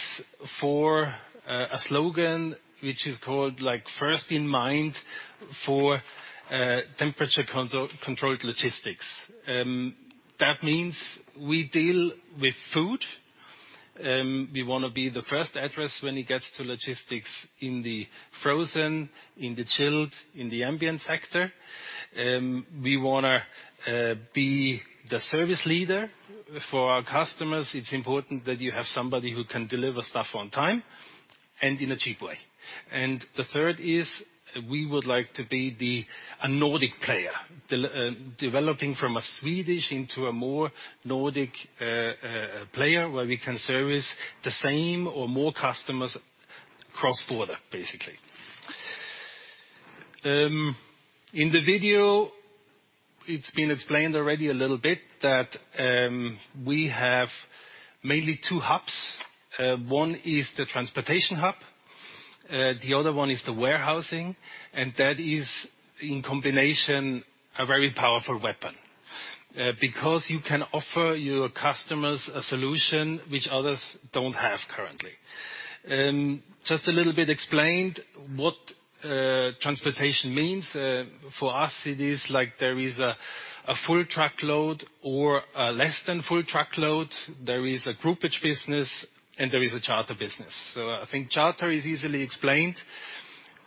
for a slogan which is called, like, First in Mind for Temperature Controlled Logistics. That means we deal with food. We wanna be the first address when it gets to logistics in the frozen, in the chilled, in the ambient sector. We wanna be the service leader. For our customers, it's important that you have somebody who can deliver stuff on time and in a cheap way. The third is we would like to be a Nordic player, developing from a Swedish into a more Nordic player where we can service the same or more customers cross-border, basically. In the video, it's been explained already a little bit that we have mainly two hubs. One is the transportation hub. The other one is the warehousing, and that is, in combination, a very powerful weapon because you can offer your customers a solution which others don't have currently. Just a little bit explained what transportation means. For us it is like there is a full truckload or a less than full truckload. There is a groupage business, and there is a charter business. I think charter is easily explained.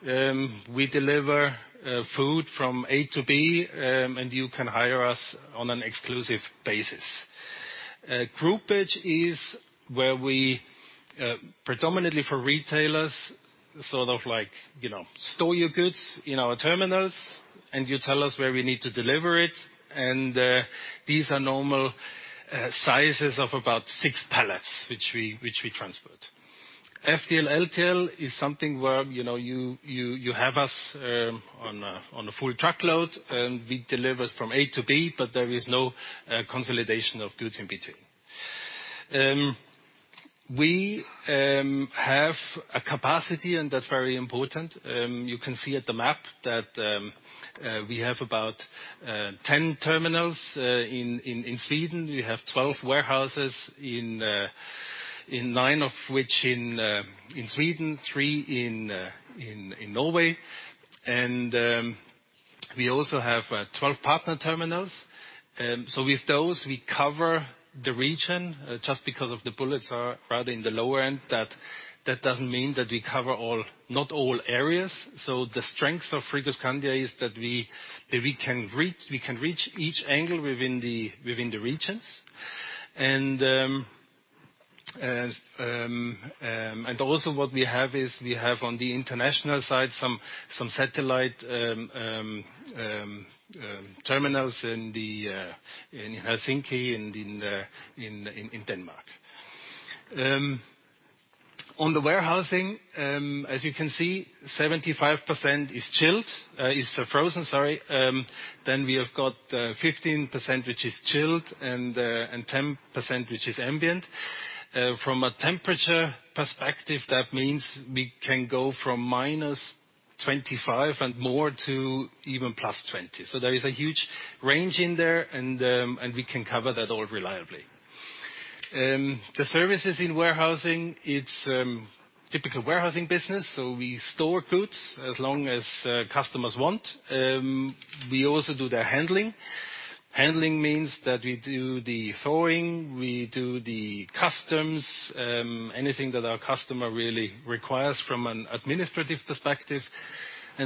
We deliver food from A-B, and you can hire us on an exclusive basis. Groupage is where we predominantly for retailers. Sort of like, you store your goods in our terminals, and you tell us where we need to deliver it. These are normal sizes of about six pallets, which we transport. FTL, LTL is something where, you know, you have us on a full truckload, and we deliver from A-B, but there is no consolidation of goods in between. We have a capacity, and that's very important. You can see at the map that we have about 10 terminals in Sweden. We have 12 warehouses, nine of which in Sweden, three in Norway. We also have 12 partner terminals. With those, we cover the region just because of the bullets are rather in the lower end. That doesn't mean that we cover not all areas. The strength of Frigoscandia is that we can reach each angle within the regions. Also what we have is we have on the international side some satellite terminals in Helsinki and in Denmark. On the warehousing, as you can see, 75% is chilled, is frozen, sorry. Then we have got 15%, which is chilled, and 10% which is ambient. From a temperature perspective, that means we can go from -25 and more to even +20. There is a huge range in there, and we can cover that all reliably. The services in warehousing, it's typical warehousing business, so we store goods as long as customers want. We also do their handling. Handling means that we do the thawing, we do the customs, anything that our customer really requires from an administrative perspective.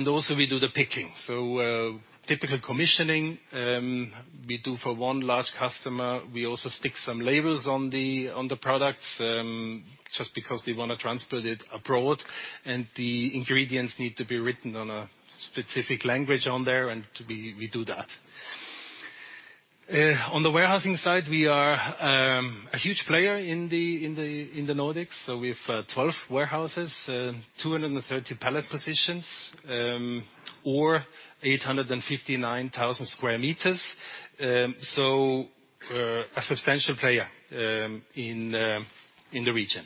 Also we do the picking. Typical commissioning, we do for one large customer. We also stick some labels on the, on the products, just because they wanna transport it abroad, and the ingredients need to be written on a specific language on there, and we do that. On the warehousing side, we are a huge player in the Nordics. We have 12 warehouses, 230 pallet positions, or 859,000 square meters. A substantial player in the region.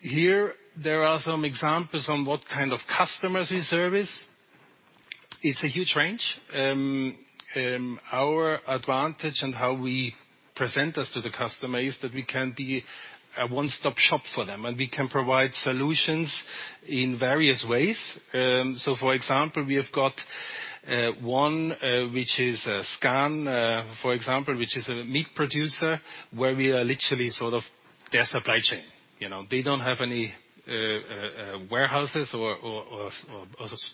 Here, there are some examples on what kind of customers we service. It's a huge range. Our advantage and how we present us to the customer is that we can be a one-stop shop for them, and we can provide solutions in various ways. For example, we have got one, which is Scan, for example, which is a meat producer, where we are literally sort of their supply chain. You know, they don't have any warehouses or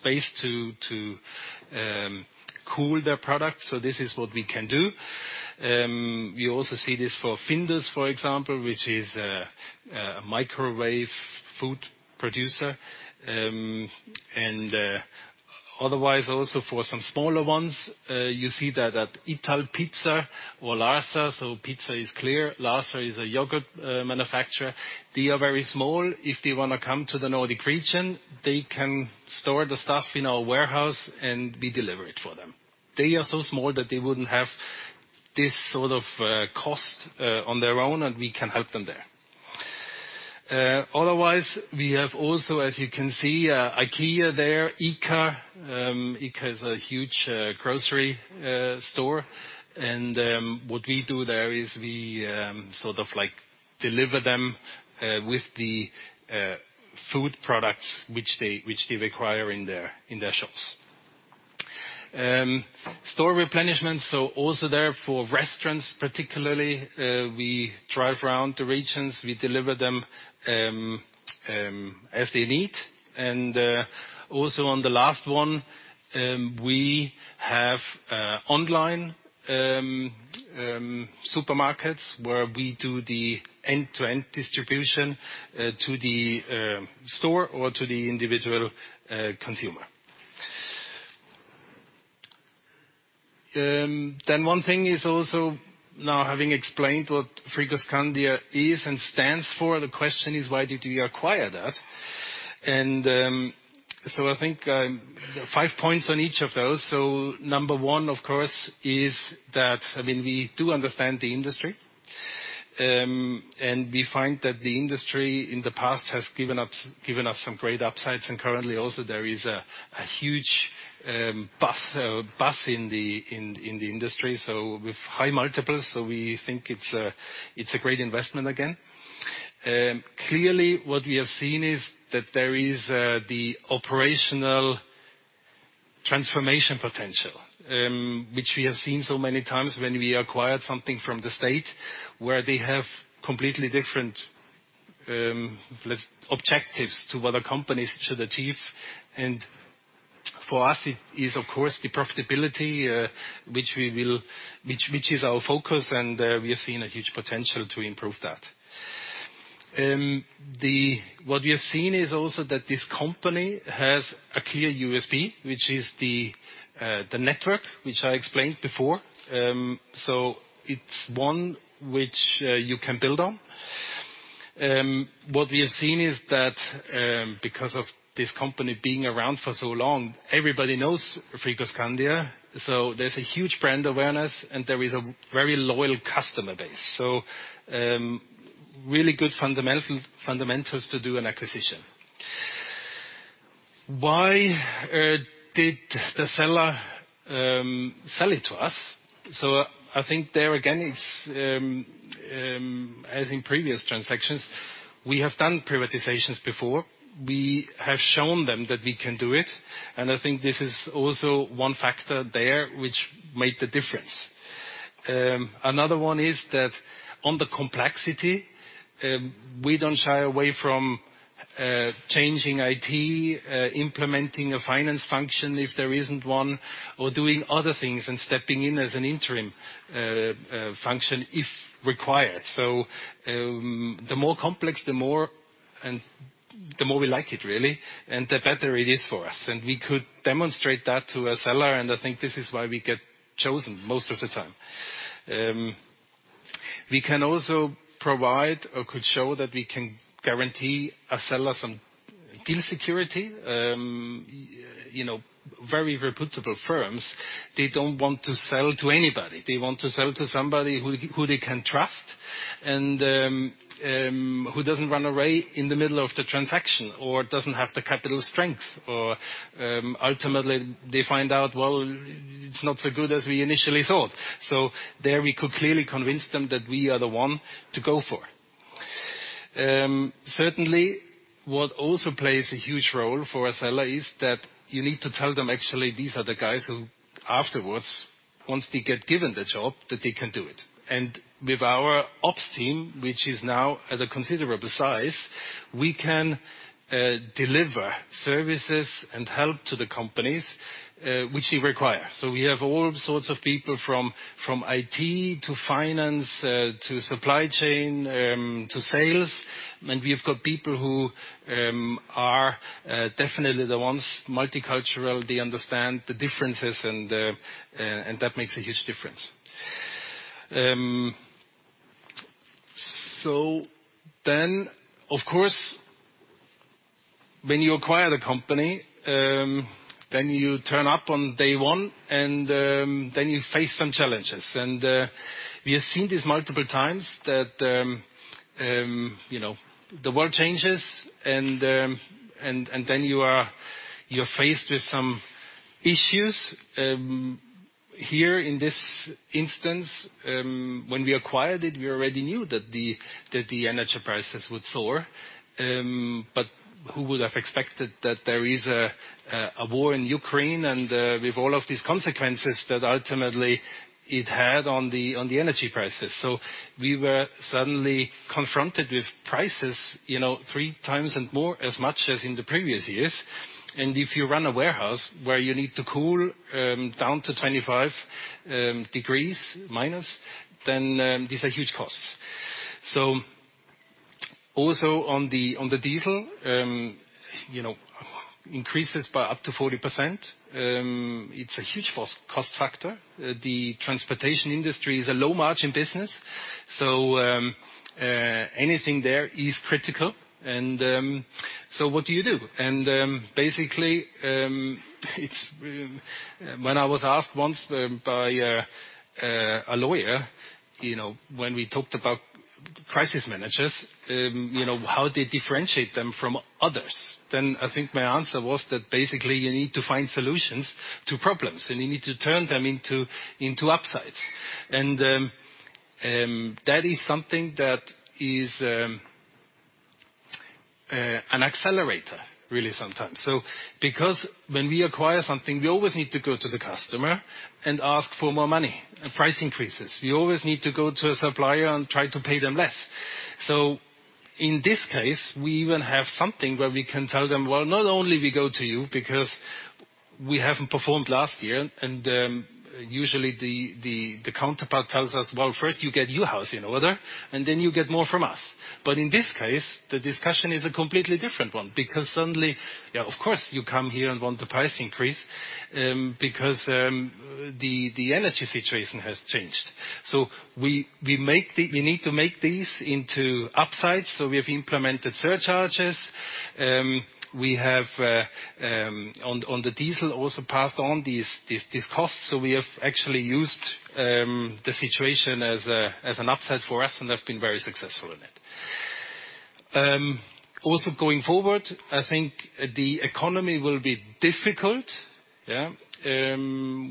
space to cool their products, so this is what we can do. You also see this for Findus, for example, which is a microwave food producer. Otherwise, also for some smaller ones, you see that at Italpizza or Larsa. Pizza is clear. Larsa is a yogurt manufacturer. They are very small. If they wanna come to the Nordic region, they can store the stuff in our warehouse, and we deliver it for them. They are so small that they wouldn't have this sort of cost on their own, and we can help them there. Otherwise, we have also, as you can see, IKEA there, ICA. ICA is a huge grocery store. What we do there is we sort of like deliver them with the food products which they require in their shops. Store replenishment, so also there for restaurants particularly, we drive around the regions, we deliver them as they need. Also on the last one, we have online supermarkets where we do the end-to-end distribution to the store or to the individual consumer. One thing is also now having explained what Frigoscandia is and stands for, the question is, why did you acquire that? I think five points on each of those. Number one, of course, is that, I mean, we do understand the industry. We find that the industry in the past has given us some great upsides, and currently also there is a huge boom in the industry, so with high multiples, we think it's a great investment again. Clearly what we have seen is that there is the operational transformation potential, which we have seen so many times when we acquired something from the state where they have completely different, like objectives to what a company should achieve and. For us, it is of course the profitability, which is our focus, and we are seeing a huge potential to improve that. What we are seeing is also that this company has a clear USP, which is the network, which I explained before. It's one which you can build on. What we are seeing is that, because of this company being around for so long, everybody knows Frigoscandia, so there's a huge brand awareness and there is a very loyal customer base. Really good fundamentals to do an acquisition. Why did the seller sell it to us? I think there again, it's as in previous transactions, we have done privatizations before. We have shown them that we can do it, and I think this is also one factor there which made the difference. Another one is that on the complexity, we don't shy away from changing IT, implementing a finance function if there isn't one, or doing other things and stepping in as an interim function if required. The more complex, the more we like it really, and the better it is for us. We could demonstrate that to a seller, and I think this is why we get chosen most of the time. We can also provide or could show that we can guarantee a seller some deal security. You know, very reputable firms, they don't want to sell to anybody. They want to sell to somebody who they can trust and who doesn't run away in the middle of the transaction or doesn't have the capital strength or, ultimately they find out, well, it's not so good as we initially thought. There we could clearly convince them that we are the one to go for. Certainly what also plays a huge role for a seller is that you need to tell them, actually, these are the guys who afterwards, once they get given the job, that they can do it. With our ops team, which is now at a considerable size, we can deliver services and help to the companies which they require. We have all sorts of people from IT to finance to supply chain to sales. We've got people who are definitely the ones multicultural. They understand the differences and that makes a huge difference. Of course when you acquire the company, you turn up on day one and you face some challenges. We have seen this multiple times that you know the world changes and then you're faced with some issues. Here in this instance, when we acquired it, we already knew that the energy prices would soar. Who would have expected that there is a war in Ukraine and with all of these consequences that ultimately it had on the energy prices. We were suddenly confronted with prices, you know, three times and more as much as in the previous years. If you run a warehouse where you need to cool down to 25 degrees minus, then these are huge costs. Also on the diesel, you know, increases by up to 40%, it's a huge cost factor. The transportation industry is a low margin business, so anything there is critical. What do you do? When I was asked once by a lawyer, you know, when we talked about crisis managers, you know, how they differentiate them from others, then I think my answer was that basically you need to find solutions to problems, and you need to turn them into upsides. That is something that is an accelerator really sometimes. Because when we acquire something, we always need to go to the customer and ask for more money, price increases. We always need to go to a supplier and try to pay them less. In this case, we even have something where we can tell them, "Well, not only we go to you because we haven't performed last year." Usually the counterpart tells us, "Well, first you get your house in order, and then you get more from us." In this case, the discussion is a completely different one because suddenly, of course, you come here and want the price increase, because the energy situation has changed. We need to make these into upsides, so we have implemented surcharges. We have on the diesel also passed on these costs. We have actually used the situation as an upside for us and have been very successful in it. Going forward, I think the economy will be difficult, yeah,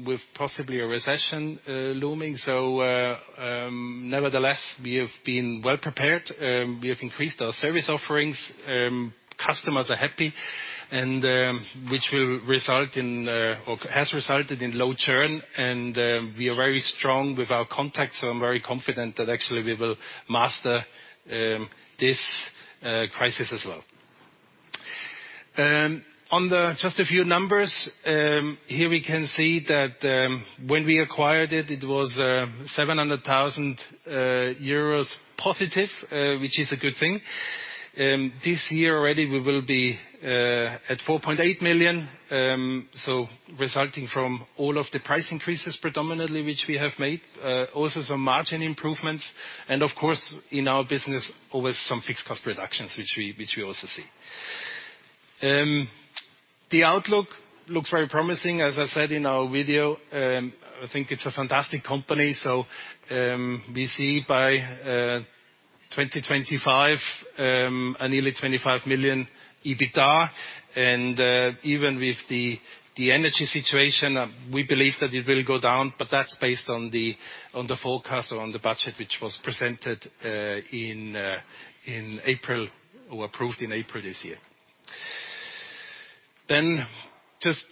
with possibly a recession looming. Nevertheless, we have been well prepared. We have increased our service offerings. Customers are happy and which will result in or has resulted in low churn and we are very strong with our contacts, so I'm very confident that actually we will master this crisis as well. Just a few numbers, here we can see that when we acquired it was 700,000 euros positive, which is a good thing. This year already we will be at 4.8 million, so resulting from all of the price increases predominantly which we have made, also some margin improvements and of course in our business always some fixed cost reductions which we also see. The outlook looks very promising as I said in our video. I think it's a fantastic company. We see by 2025 a nearly 25 million EBITA. Even with the energy situation, we believe that it will go down, but that's based on the forecast or on the budget which was presented in April or approved in April this year. Just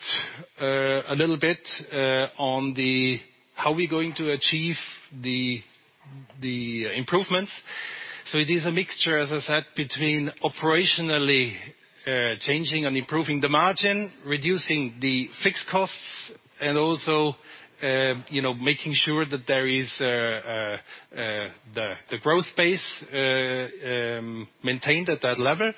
a little bit on the how we're going to achieve the improvements. It is a mixture, as I said, between operationally changing and improving the margin, reducing the fixed costs and also, you know, making sure that there is the growth base maintained at that level.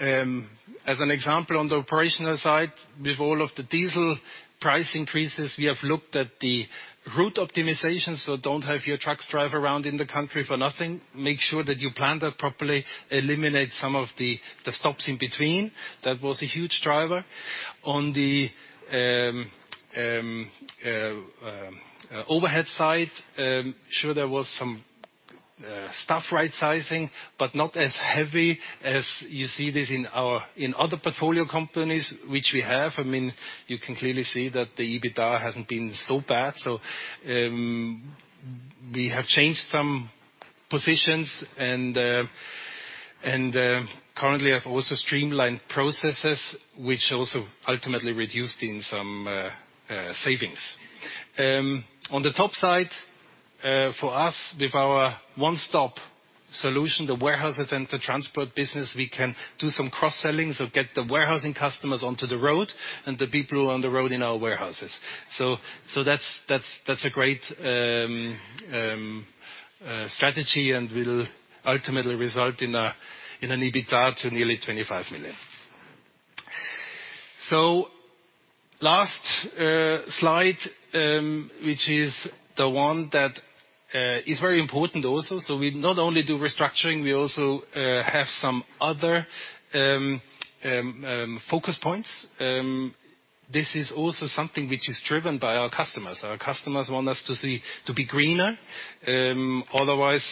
As an example on the operational side, with all of the diesel price increases, we have looked at the route optimization. Don't have your trucks drive around in the country for nothing. Make sure that you plan that properly. Eliminate some of the stops in between. That was a huge driver. On the overhead side, sure there was some staff rightsizing, but not as heavy as you see this in our other portfolio companies, which we have. I mean, you can clearly see that the EBITDA hasn't been so bad. We have changed some positions and currently have also streamlined processes which also ultimately resulted in some savings. On the top side, for us, with our one-stop solution, the warehouses and the transport business, we can do some cross-selling. Get the warehousing customers onto the road and the people who are on the road in our warehouses. That's a great strategy and will ultimately result in an EBITDA to nearly 25 million. Last slide, which is the one that is very important also. We not only do restructuring, we also have some other focus points. This is also something which is driven by our customers. Our customers want us to be greener, otherwise,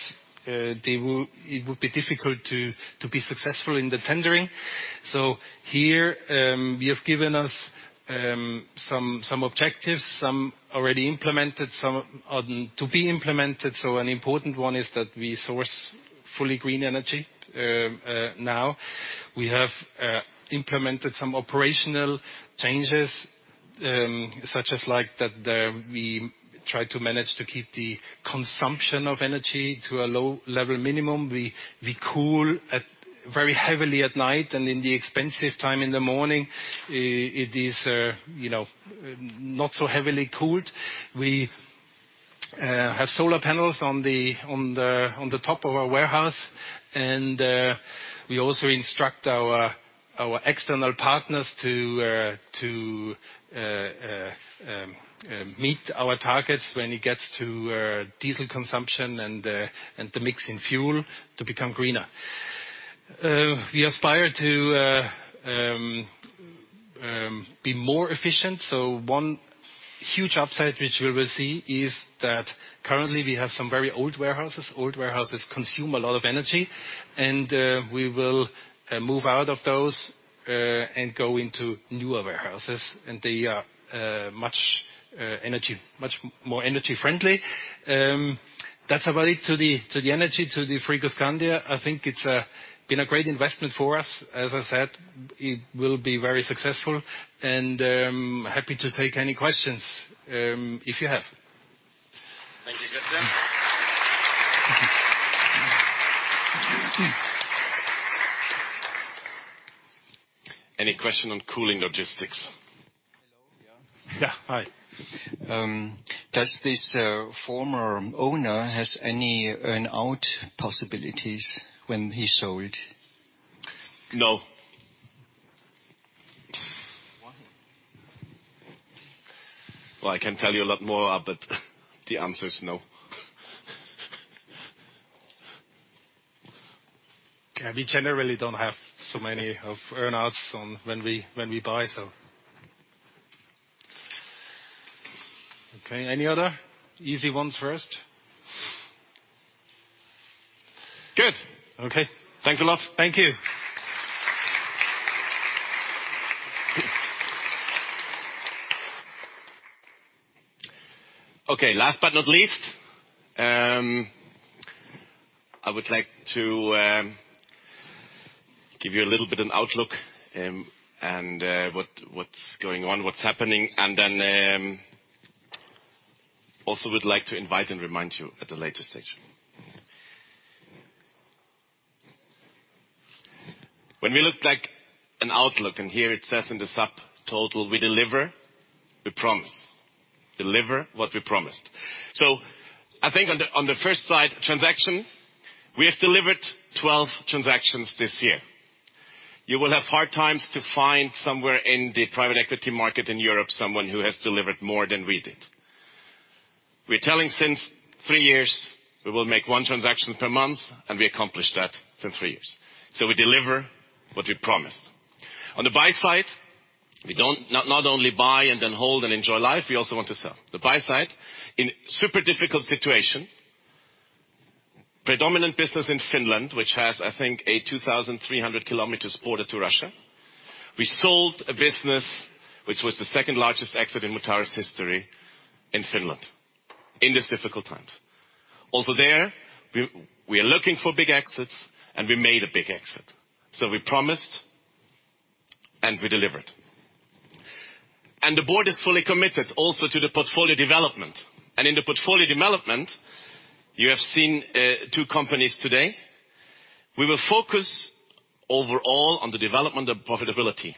it would be difficult to be successful in the tendering. Here, we have given us some objectives, some already implemented, some are to be implemented. An important one is that we source fully green energy now. We have implemented some operational changes, such as, like, we try to manage to keep the consumption of energy to a low level minimum. We cool very heavily at night and in the expensive time in the morning it is, you know, not so heavily cooled. We have solar panels on the top of our warehouse, and we also instruct our external partners to meet our targets when it gets to diesel consumption and the mix in fuel to become greener. We aspire to be more efficient. One huge upside which we will see is that currently we have some very old warehouses. Old warehouses consume a lot of energy, and we will move out of those and go into newer warehouses, and they are much more energy-friendly. That's about it to the energy to the Frigoscandia. I think it's been a great investment for us. As I said, it will be very successful and happy to take any questions if you have. Thank you, Christian. Any question on cooling logistics? Hello. Yeah. Yeah. Hi. Does this former owner has any earn-out possibilities when he sold? No. Why? Well, I can tell you a lot more, but the answer is no. Yeah, we generally don't have so many earn-outs when we buy, so. Okay, any other? Easy ones first. Good. Okay. Thanks a lot. Thank you. Okay. Last but not least, I would like to give you a little bit of an outlook, and what's going on, what's happening. Then, also would like to invite and remind you at a later stage. When we look at an outlook, and here it says in the subtotal, we deliver the promise. Deliver what we promised. I think on the first slide, transaction, we have delivered 12 transactions this year. You will have a hard time to find somewhere in the private equity market in Europe, someone who has delivered more than we did. We're telling for three years we will make one transaction per month, and we accomplished that for three years. We deliver what we promised. On the buy side, we don't only buy and then hold and enjoy life, we also want to sell. The buy side in super difficult situation. Predominant business in Finland, which has, I think, a 2,300 kilometers border to Russia. We sold a business, which was the second-largest exit in Mutares history in Finland in these difficult times. Also there we are looking for big exits, and we made a big exit. We promised and we delivered. The board is fully committed also to the portfolio development. In the portfolio development, you have seen two companies today. We will focus overall on the development of profitability.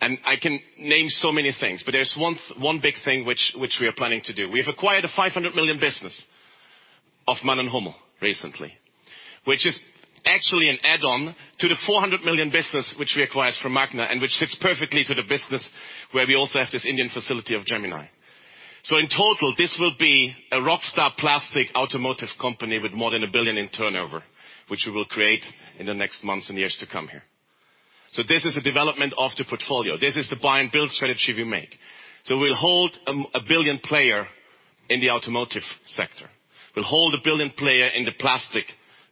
I can name so many things, but there's one big thing we are planning to do. We have acquired a 500 million business of MANN+HUMMEL recently, which is actually an add-on to the 400 million business which we acquired from Magna and which fits perfectly to the business where we also have this Indian facility of Gemini. In total, this will be a rockstar plastic automotive company with more than 1 billion in turnover, which we will create in the next months and years to come here. This is a development of the portfolio. This is the buy and build strategy we make. We'll hold a 1 billion player in the automotive sector. We'll hold a 1 billion player in the plastic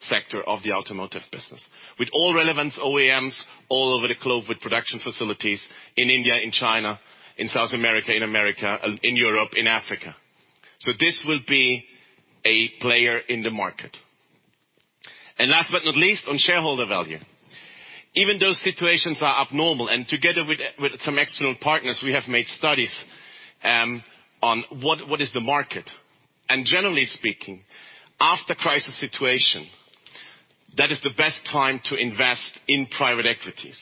sector of the automotive business with all relevant OEMs all over the globe, with production facilities in India, in China, in South America, in America, in Europe, in Africa. This will be a player in the market. Last but not least on shareholder value. Even though situations are abnormal, and together with some external partners, we have made studies on what is the market. Generally speaking, after crisis situation, that is the best time to invest in private equities.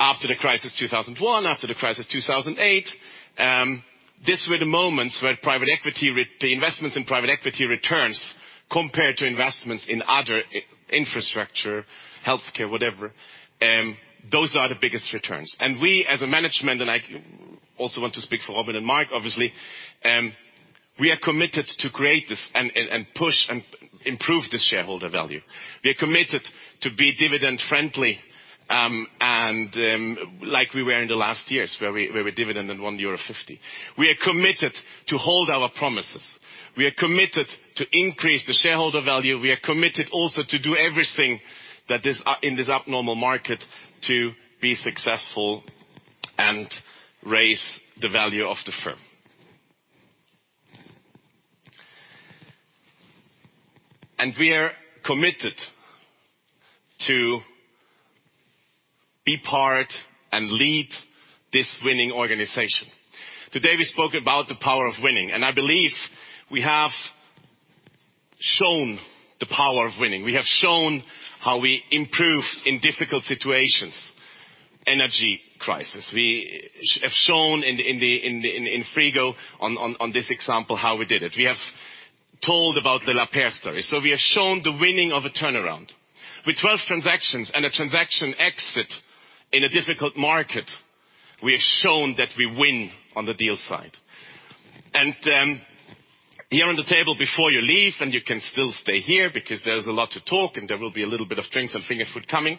After the crisis 2001, after the crisis 2008, these were the moments where private equity returns compared to investments in other infrastructure, healthcare, whatever, those are the biggest returns. We, as a management, and I also want to speak for Robin and Mark, obviously, we are committed to create this and push and improve the shareholder value. We are committed to be dividend friendly, and like we were in the last years, where we dividend in €1.50. We are committed to hold our promises. We are committed to increase the shareholder value. We are committed also to do everything that is in this abnormal market to be successful and raise the value of the firm. We are committed to be part and lead this winning organization. Today, we spoke about the power of winning, and I believe we have shown the power of winning. We have shown how we improve in difficult situations. Energy crisis. We have shown in the Frigoscandia on this example how we did it. We have told about the Lapeyre story. We have shown the winning of a turnaround. With 12 transactions and a transaction exit in a difficult market, we have shown that we win on the deal side. Here on the table before you leave, and you can still stay here because there's a lot to talk and there will be a little bit of drinks and finger food coming.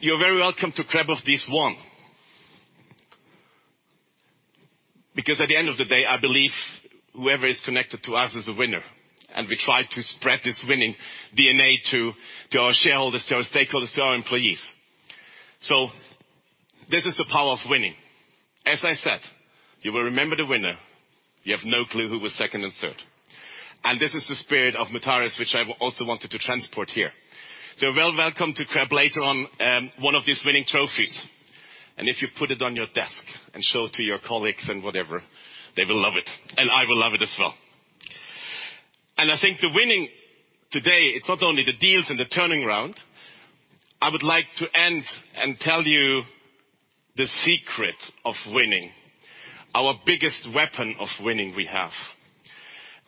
You're very welcome to grab one of these. Because at the end of the day, I believe whoever is connected to us is a winner, and we try to spread this winning DNA to our shareholders, to our stakeholders, to our employees. This is the power of winning. As I said, you will remember the winner. You have no clue who was second and third. This is the spirit of Mutares, which I also wanted to transport here. You're welcome to grab later on one of these winning trophies. If you put it on your desk and show it to your colleagues and whatever, they will love it, and I will love it as well. I think the winning today, it's not only the deals and the turning round. I would like to end and tell you the secret of winning, our biggest weapon of winning we have.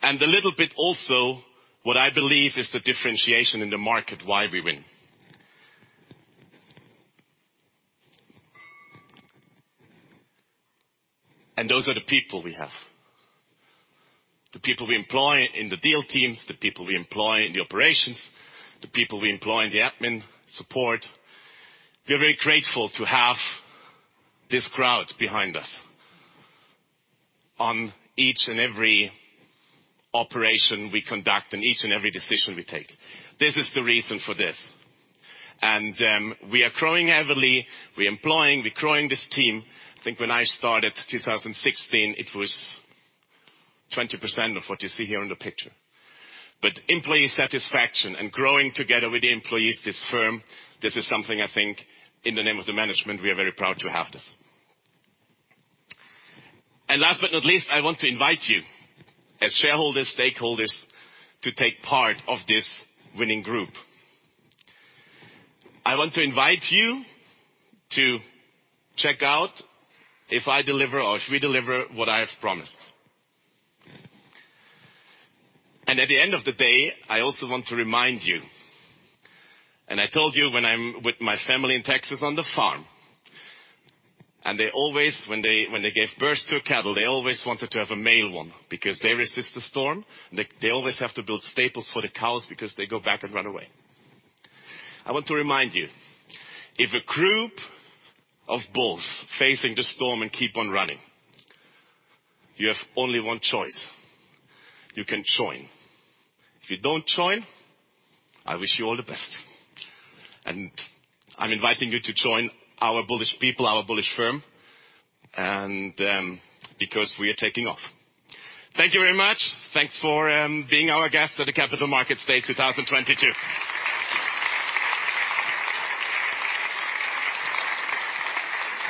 A little bit also what I believe is the differentiation in the market, why we win. Those are the people we have. The people we employ in the deal teams, the people we employ in the operations, the people we employ in the admin support. We are very grateful to have this crowd behind us on each and every operation we conduct and each and every decision we take. This is the reason for this. We are growing heavily. We're employing, we're growing this team. I think when I started 2016, it was 20% of what you see here on the picture. Employee satisfaction and growing together with the employees, this firm, this is something I think in the name of the management, we are very proud to have this. Last but not least, I want to invite you as shareholders, stakeholders, to take part of this winning group. I want to invite you to check out if I deliver or if we deliver what I have promised. At the end of the day, I also want to remind you, and I told you when I'm with my family in Texas on the farm, and they always, when they gave birth to a cattle, they always wanted to have a male one because they resist the storm. They always have to build stables for the cows because they go back and run away. I want to remind you, if a group of bulls facing the storm and keep on running, you have only one choice. You can join. If you don't join, I wish you all the best. I'm inviting you to join our bullish people, our bullish firm, and because we are taking off. Thank you very much. Thanks for being our guest at the Capital Markets Day 2022.